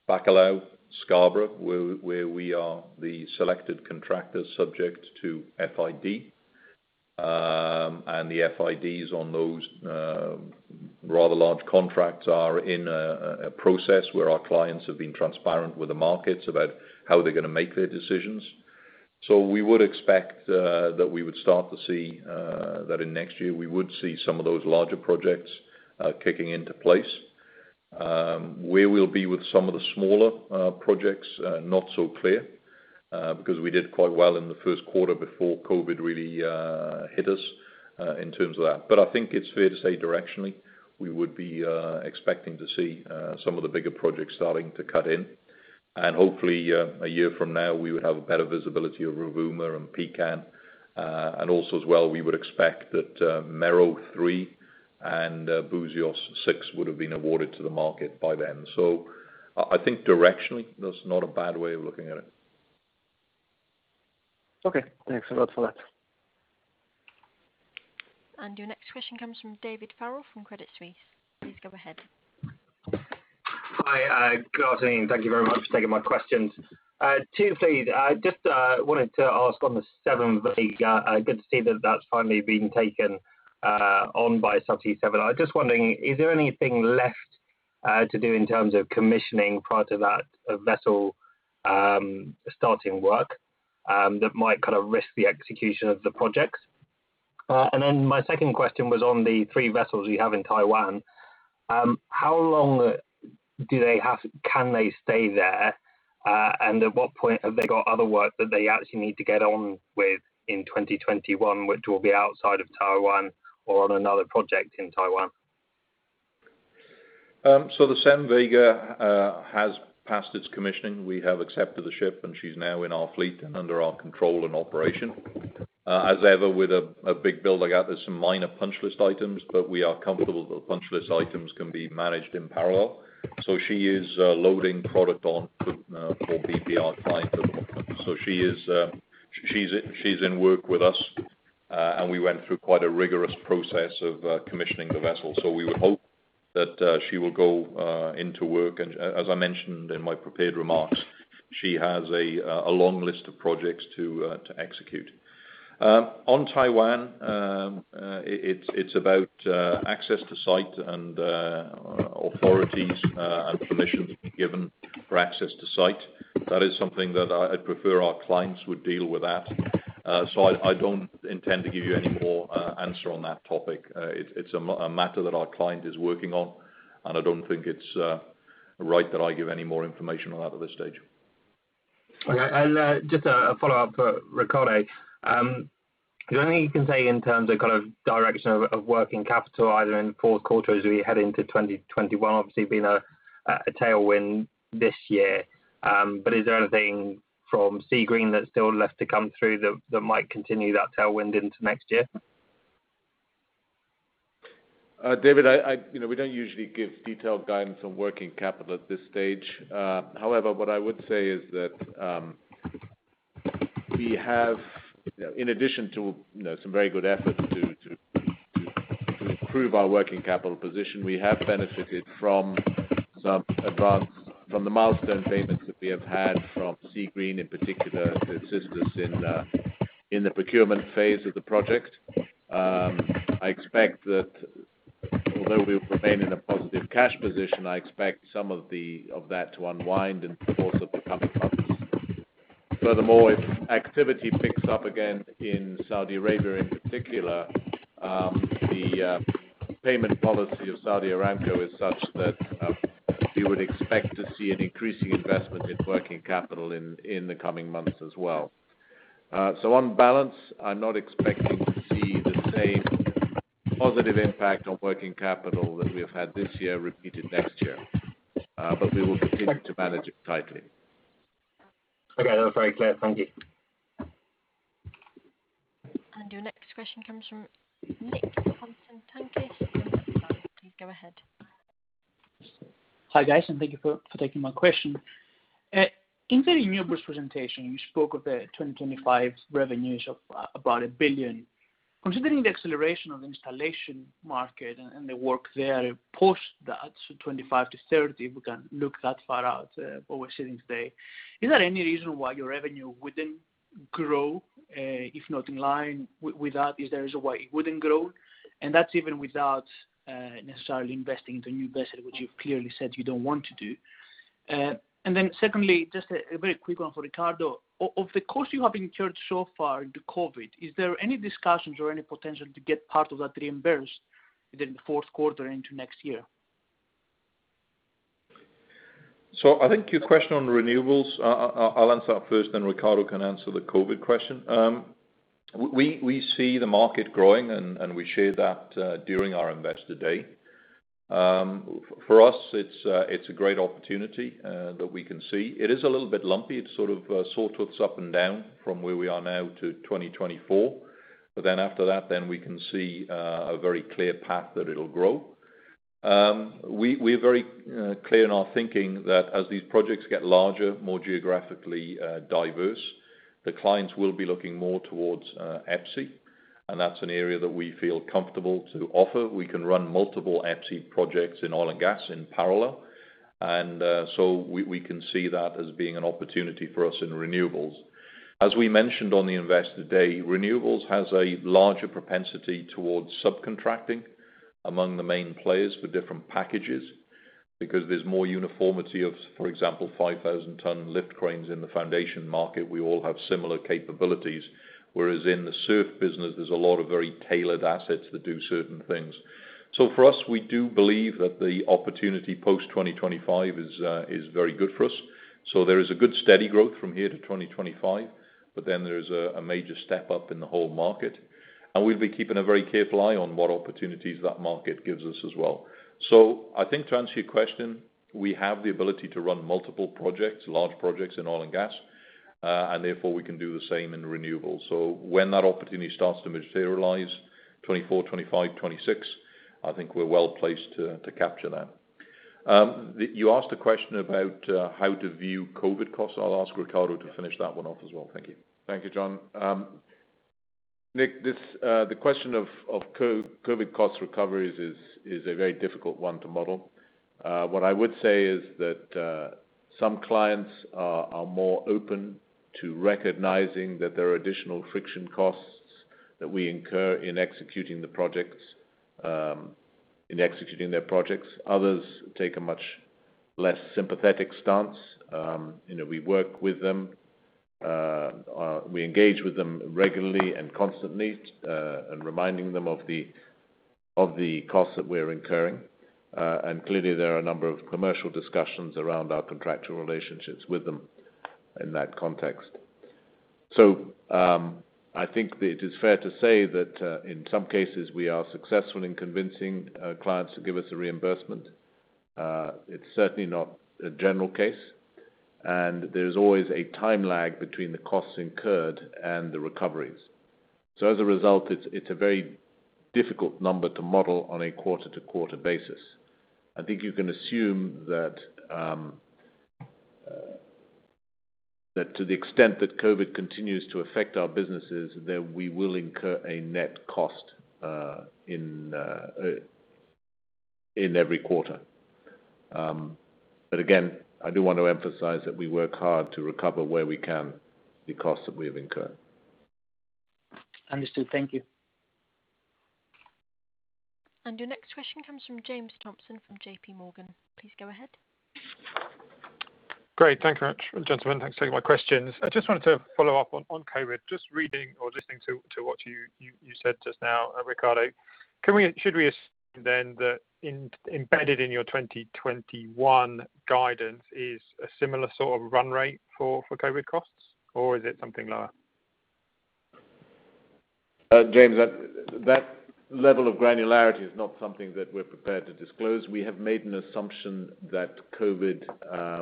Bacalhau, Scarborough, where we are the selected contractor subject to FID. The FIDs on those rather large contracts are in a process where our clients have been transparent with the markets about how they're going to make their decisions. We would expect that we would start to see that in next year, we would see some of those larger projects kicking into place. Where we'll be with some of the smaller projects, not so clear. We did quite well in the first quarter before COVID really hit us, in terms of that. I think it's fair to say directionally, we would be expecting to see some of the bigger projects starting to cut in. Hopefully, a year from now, we would have a better visibility of Rovuma and Pecan. Also as well, we would expect that Mero 3 and Buzios 6 would have been awarded to the market by then. I think directionally, that's not a bad way of looking at it. Okay. Thanks a lot for that. Your next question comes from David Farrell from Credit Suisse. Please go ahead. Hi, good afternoon. Thank you very much for taking my questions. Two for you. Just wanted to ask on the Seven Vega, good to see that that's finally been taken on by Subsea 7. I'm just wondering, is there anything left to do in terms of commissioning prior to that vessel starting work, that might risk the execution of the project? My second question was on the three vessels you have in Taiwan. How long can they stay there? At what point have they got other work that they actually need to get on with in 2021, which will be outside of Taiwan or on another project in Taiwan? The Seven Vega has passed its commissioning. We have accepted the ship, and she's now in our fleet and under our control and operation. As ever, with a big build like that, there's some minor punch list items, but we are comfortable that the punch list items can be managed in parallel. She is loading product on for BPR 5 at the moment. She's in work with us, and we went through quite a rigorous process of commissioning the vessel. We would hope that she will go into work. As I mentioned in my prepared remarks, she has a long list of projects to execute. On Taiwan, it's about access to site and authorities and permissions being given for access to site. That is something that I'd prefer our clients would deal with that. I don't intend to give you any more answer on that topic. It's a matter that our client is working on, and I don't think it's right that I give any more information on that at this stage. Okay. Just a follow-up for Ricardo. Is there anything you can say in terms of kind of direction of working capital, either in the fourth quarter as we head into 2021? Obviously, been a tailwind this year. Is there anything from Seagreen that's still left to come through that might continue that tailwind into next year? David, we don't usually give detailed guidance on working capital at this stage. What I would say is that, in addition to some very good efforts to improve our working capital position, we have benefited from the milestone payments that we have had from Seagreen, in particular, to assist us in the procurement phase of the project. We remain in a positive cash position, I expect some of that to unwind in the course of the coming quarters. If activity picks up again in Saudi Arabia in particular, the payment policy of Saudi Aramco is such that we would expect to see an increasing investment in working capital in the coming months as well. On balance, I'm not expecting to see the same positive impact on working capital that we have had this year repeated next year. We will continue to manage it tightly. Okay. That was very clear. Thank you. Your next question comes from Nick Hobson. Please go ahead. Hi, guys. Thank you for taking my question. In the renewables presentation, you spoke of the 2025 revenues of about $1 billion. Considering the acceleration of the installation market and the work there post that, so 2025 to 2030, if we can look that far out, what we're sitting today, is there any reason why your revenue wouldn't grow, if not in line with that? Is there a reason why it wouldn't grow? That's even without necessarily investing into new vessel, which you've clearly said you don't want to do. Secondly, just a very quick one for Ricardo. Of the costs you have incurred so far into COVID, is there any discussions or any potential to get part of that reimbursed within the fourth quarter into next year? I think your question on renewables, I'll answer that first, then Ricardo can answer the COVID-19 question. We see the market growing, and we shared that during our Investor Day. For us, it's a great opportunity that we can see. It is a little bit lumpy. It's sort of saw tooths up and down from where we are now to 2024. After that, then we can see a very clear path that it'll grow. We're very clear in our thinking that as these projects get larger, more geographically diverse, the clients will be looking more towards EPCI, and that's an area that we feel comfortable to offer. We can run multiple EPCI projects in oil and gas in parallel, we can see that as being an opportunity for us in renewables. As we mentioned on the Investor Day, renewables has a larger propensity towards subcontracting among the main players for different packages because there's more uniformity of, for example, 5,000-ton lift cranes in the foundation market. We all have similar capabilities. Whereas in the SURF business, there's a lot of very tailored assets that do certain things. For us, we do believe that the opportunity post-2025 is very good for us. There is a good, steady growth from here to 2025, there's a major step up in the whole market. We'll be keeping a very careful eye on what opportunities that market gives us as well. I think to answer your question, we have the ability to run multiple projects, large projects in oil and gas, and therefore, we can do the same in renewables. When that opportunity starts to materialize, 2024, 2025, 2026, I think we're well-placed to capture that. You asked a question about how to view COVID costs. I'll ask Ricardo to finish that one off as well. Thank you. Thank you, John. Nick, the question of COVID cost recoveries is a very difficult one to model. What I would say is that some clients are more open to recognizing that there are additional friction costs that we incur in executing their projects. Others take a much less sympathetic stance. We work with them. We engage with them regularly and constantly, and reminding them of the costs that we're incurring. Clearly, there are a number of commercial discussions around our contractual relationships with them in that context. I think that it is fair to say that, in some cases, we are successful in convincing clients to give us a reimbursement. It's certainly not a general case, and there's always a time lag between the costs incurred and the recoveries. As a result, it's a very difficult number to model on a quarter-to-quarter basis. I think you can assume that to the extent that COVID continues to affect our businesses, that we will incur a net cost in every quarter. Again, I do want to emphasize that we work hard to recover where we can the costs that we have incurred. Understood. Thank you. Your next question comes from James Thompson from JPMorgan. Please go ahead. Great. Thank you very much, gentlemen. Thanks for taking my questions. I just wanted to follow up on COVID. Just reading or listening to what you said just now, Ricardo. Should we assume then that embedded in your 2021 guidance is a similar sort of run rate for COVID costs, or is it something lower? James, that level of granularity is not something that we're prepared to disclose. We have made an assumption that COVID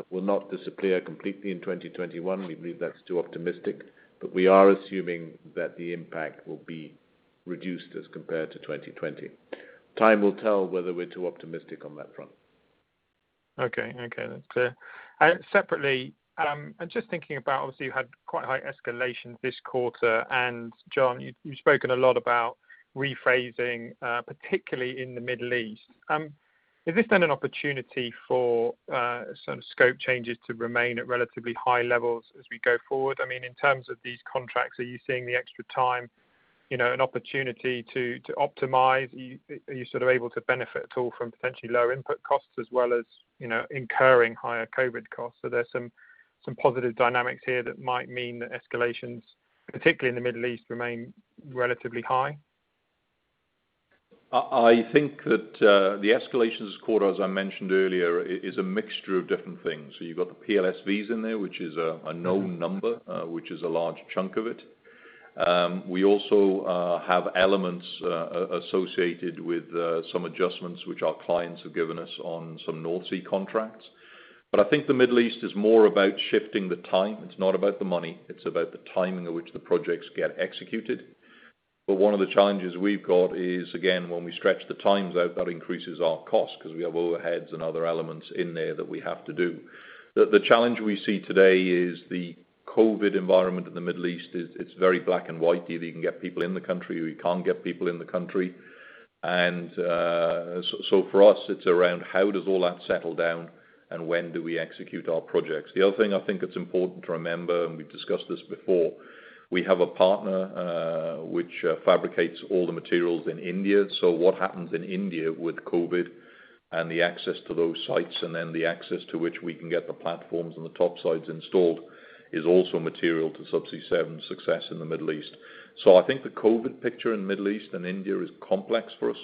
will not disappear completely in 2021. We believe that's too optimistic, but we are assuming that the impact will be reduced as compared to 2020. Time will tell whether we're too optimistic on that front. Okay. That's clear. Separately, just thinking about, obviously, you had quite high escalations this quarter, and John, you've spoken a lot about rephrasing, particularly in the Middle East. Is this an opportunity for some scope changes to remain at relatively high levels as we go forward? In terms of these contracts, are you seeing the extra time an opportunity to optimize? Are you able to benefit at all from potentially lower input costs as well as incurring higher COVID costs? Are there some positive dynamics here that might mean that escalations, particularly in the Middle East, remain relatively high? I think that the escalations quarter, as I mentioned earlier, is a mixture of different things. You've got the PLSVs in there, which is a known number, which is a large chunk of it. We also have elements associated with some adjustments which our clients have given us on some North Sea contracts. I think the Middle East is more about shifting the time. It's not about the money. It's about the timing at which the projects get executed. One of the challenges we've got is, again, when we stretch the times out, that increases our cost because we have overheads and other elements in there that we have to do. The challenge we see today is the COVID environment in the Middle East. It's very black and white. Either you can get people in the country or you can't get people in the country. For us, it's around how does all that settle down and when do we execute our projects. The other thing I think it's important to remember, and we've discussed this before, we have a partner which fabricates all the materials in India. What happens in India with COVID and the access to those sites and then the access to which we can get the platforms and the top sides installed is also material to Subsea 7 success in the Middle East. I think the COVID picture in Middle East and India is complex for us,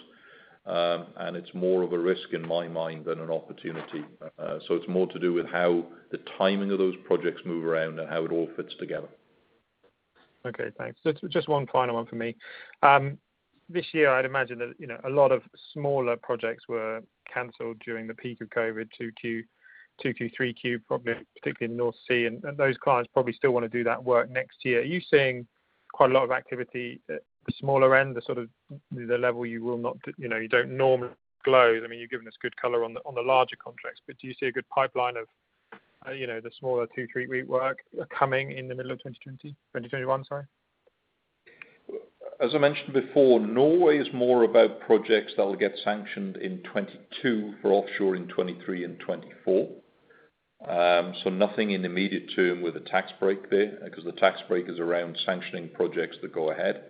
and it's more of a risk in my mind than an opportunity. It's more to do with how the timing of those projects move around and how it all fits together. Okay, thanks. Just one final one from me. This year, I'd imagine that a lot of smaller projects were canceled during the peak of COVID, 2Q, 3Q, probably particularly in North Sea. Those clients probably still want to do that work next year. Are you seeing quite a lot of activity at the smaller end, the sort of the level you don't normally disclose? You've given us good color on the larger contracts. Do you see a good pipeline of the smaller two, three-week work coming in the middle of 2021? As I mentioned before, Norway is more about projects that will get sanctioned in 2022 for offshore in 2023 and 2024. Nothing in the immediate term with the tax break there, because the tax break is around sanctioning projects that go ahead.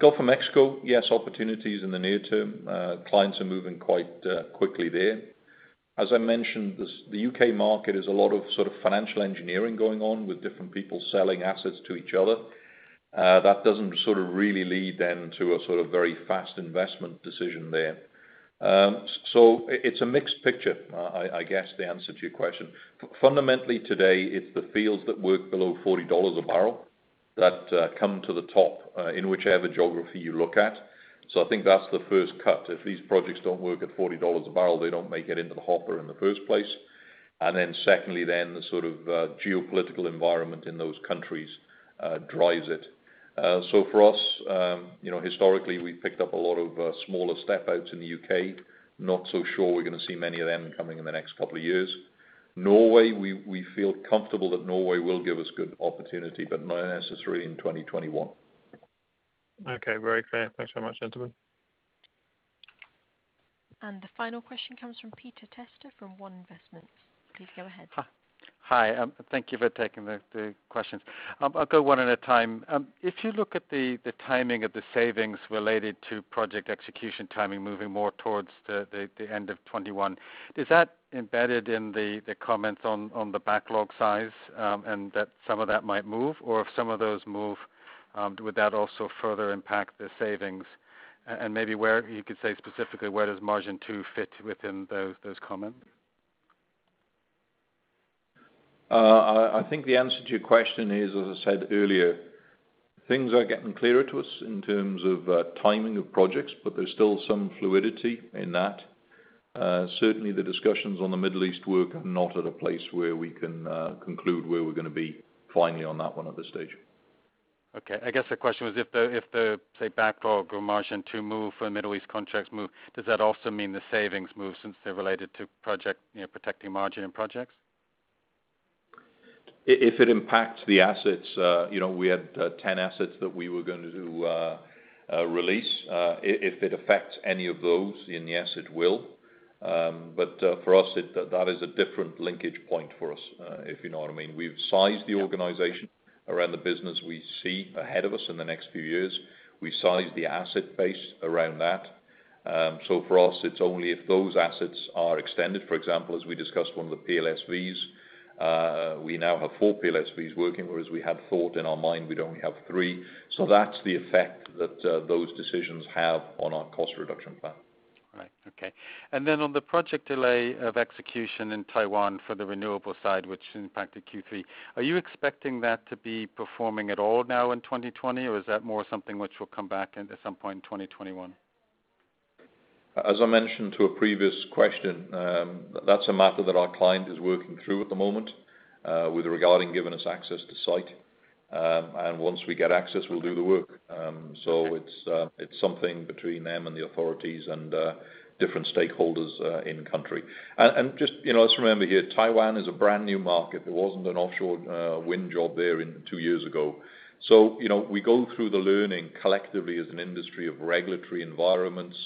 Gulf of Mexico, yes, opportunities in the near term. Clients are moving quite quickly there. As I mentioned, the U.K. market is a lot of sort of financial engineering going on with different people selling assets to each other. That doesn't sort of really lead then to a sort of very fast investment decision there. It's a mixed picture, I guess the answer to your question. Fundamentally today, it's the fields that work below $40 a barrel that come to the top, in whichever geography you look at. I think that's the first cut. If these projects don't work at $40 a barrel, they don't make it into the hopper in the first place. Secondly then, the sort of geopolitical environment in those countries drives it. For us, historically, we picked up a lot of smaller step outs in the U.K. Not so sure we're going to see many of them coming in the next couple of years. Norway, we feel comfortable that Norway will give us good opportunity, but not necessarily in 2021. Okay, very clear. Thanks very much, gentlemen. The final question comes from Peter Testa from One Investments. Please go ahead. Hi. Thank you for taking the questions. I'll go one at a time. If you look at the timing of the savings related to project execution timing moving more towards the end of 2021, is that embedded in the comments on the backlog size, and that some of that might move? If some of those move, would that also further impact the savings? Maybe you could say specifically where does Marjan 2 fit within those comments? I think the answer to your question is, as I said earlier, things are getting clearer to us in terms of timing of projects, but there's still some fluidity in that. Certainly, the discussions on the Middle East work are not at a place where we can conclude where we're going to be finally on that one at this stage. I guess the question was if the, say, backlog or margin to move for Middle East contracts move, does that also mean the savings move since they're related to protecting margin in projects? If it impacts the assets, we had 10 assets that we were going to release. If it affects any of those, yes, it will. For us, that is a different linkage point for us, if you know what I mean. We've sized the organization around the business we see ahead of us in the next few years. We sized the asset base around that. For us, it's only if those assets are extended. For example, as we discussed one of the PLSVs, we now have four PLSVs working, whereas we had thought in our mind we'd only have three. That's the effect that those decisions have on our cost reduction plan. Right. Okay. On the project delay of execution in Taiwan for the renewable side, which impacted Q3, are you expecting that to be performing at all now in 2020? Is that more something which will come back in at some point in 2021? As I mentioned to a previous question, that's a matter that our client is working through at the moment, regarding giving us access to site. Once we get access, we'll do the work. It's something between them and the authorities and different stakeholders in country. Just remember here, Taiwan is a brand-new market. There wasn't an offshore wind job there two years ago. We go through the learning collectively as an industry of regulatory environments,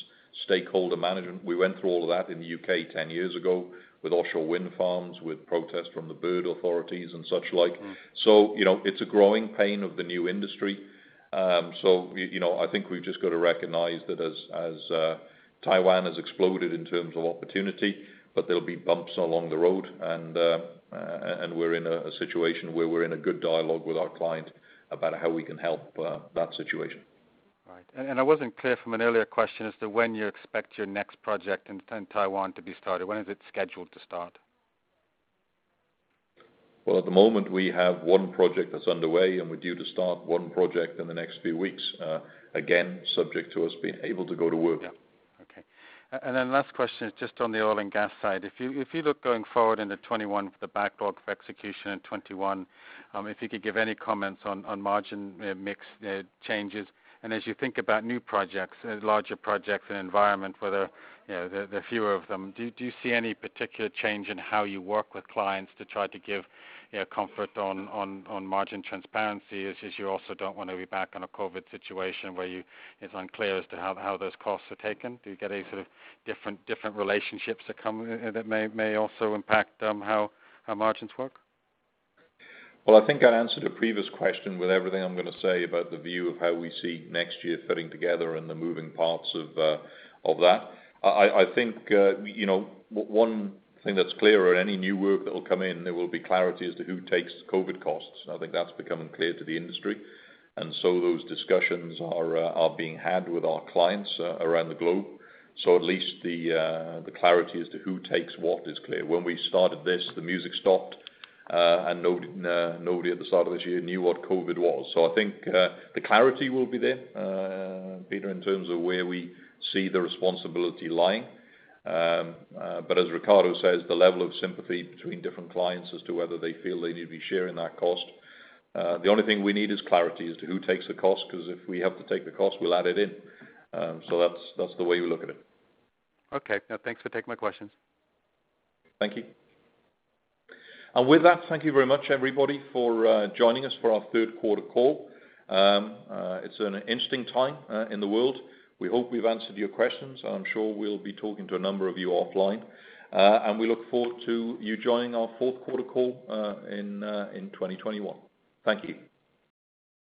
stakeholder management. We went through all of that in the U.K. 10 years ago with offshore wind farms, with protests from the bird authorities and such like. It's a growing pain of the new industry. I think we've just got to recognize that as Taiwan has exploded in terms of opportunity, but there'll be bumps along the road, and we're in a situation where we're in a good dialogue with our client about how we can help that situation. Right. I wasn't clear from an earlier question as to when you expect your next project in Taiwan to be started. When is it scheduled to start? Well, at the moment, we have one project that's underway, and we're due to start one project in the next few weeks. Again, subject to us being able to go to work. Yeah. Okay. Last question is just on the oil and gas side. If you look going forward into 2021 for the backlog of execution in 2021, if you could give any comments on margin mix changes. As you think about new projects, larger projects and environment where there are fewer of them, do you see any particular change in how you work with clients to try to give comfort on margin transparency, as you also don't want to be back in a COVID-19 situation where it's unclear as to how those costs are taken? Do you get any sort of different relationships that may also impact how margins work? Well, I think I answered a previous question with everything I'm going to say about the view of how we see next year fitting together and the moving parts of that. I think one thing that's clear, any new work that will come in, there will be clarity as to who takes COVID costs. I think that's becoming clear to the industry. Those discussions are being had with our clients around the globe. At least the clarity as to who takes what is clear. When we started this, the music stopped, and nobody at the start of this year knew what COVID was. I think the clarity will be there, Peter, in terms of where we see the responsibility lying. As Ricardo says, the level of sympathy between different clients as to whether they feel they need to be sharing that cost. The only thing we need is clarity as to who takes the cost, because if we have to take the cost, we'll add it in. That's the way we look at it. Okay. No, thanks for taking my questions. Thank you. With that, thank you very much, everybody, for joining us for our third quarter call. It's an interesting time in the world. We hope we've answered your questions. I'm sure we'll be talking to a number of you offline. We look forward to you joining our fourth quarter call in 2021. Thank you.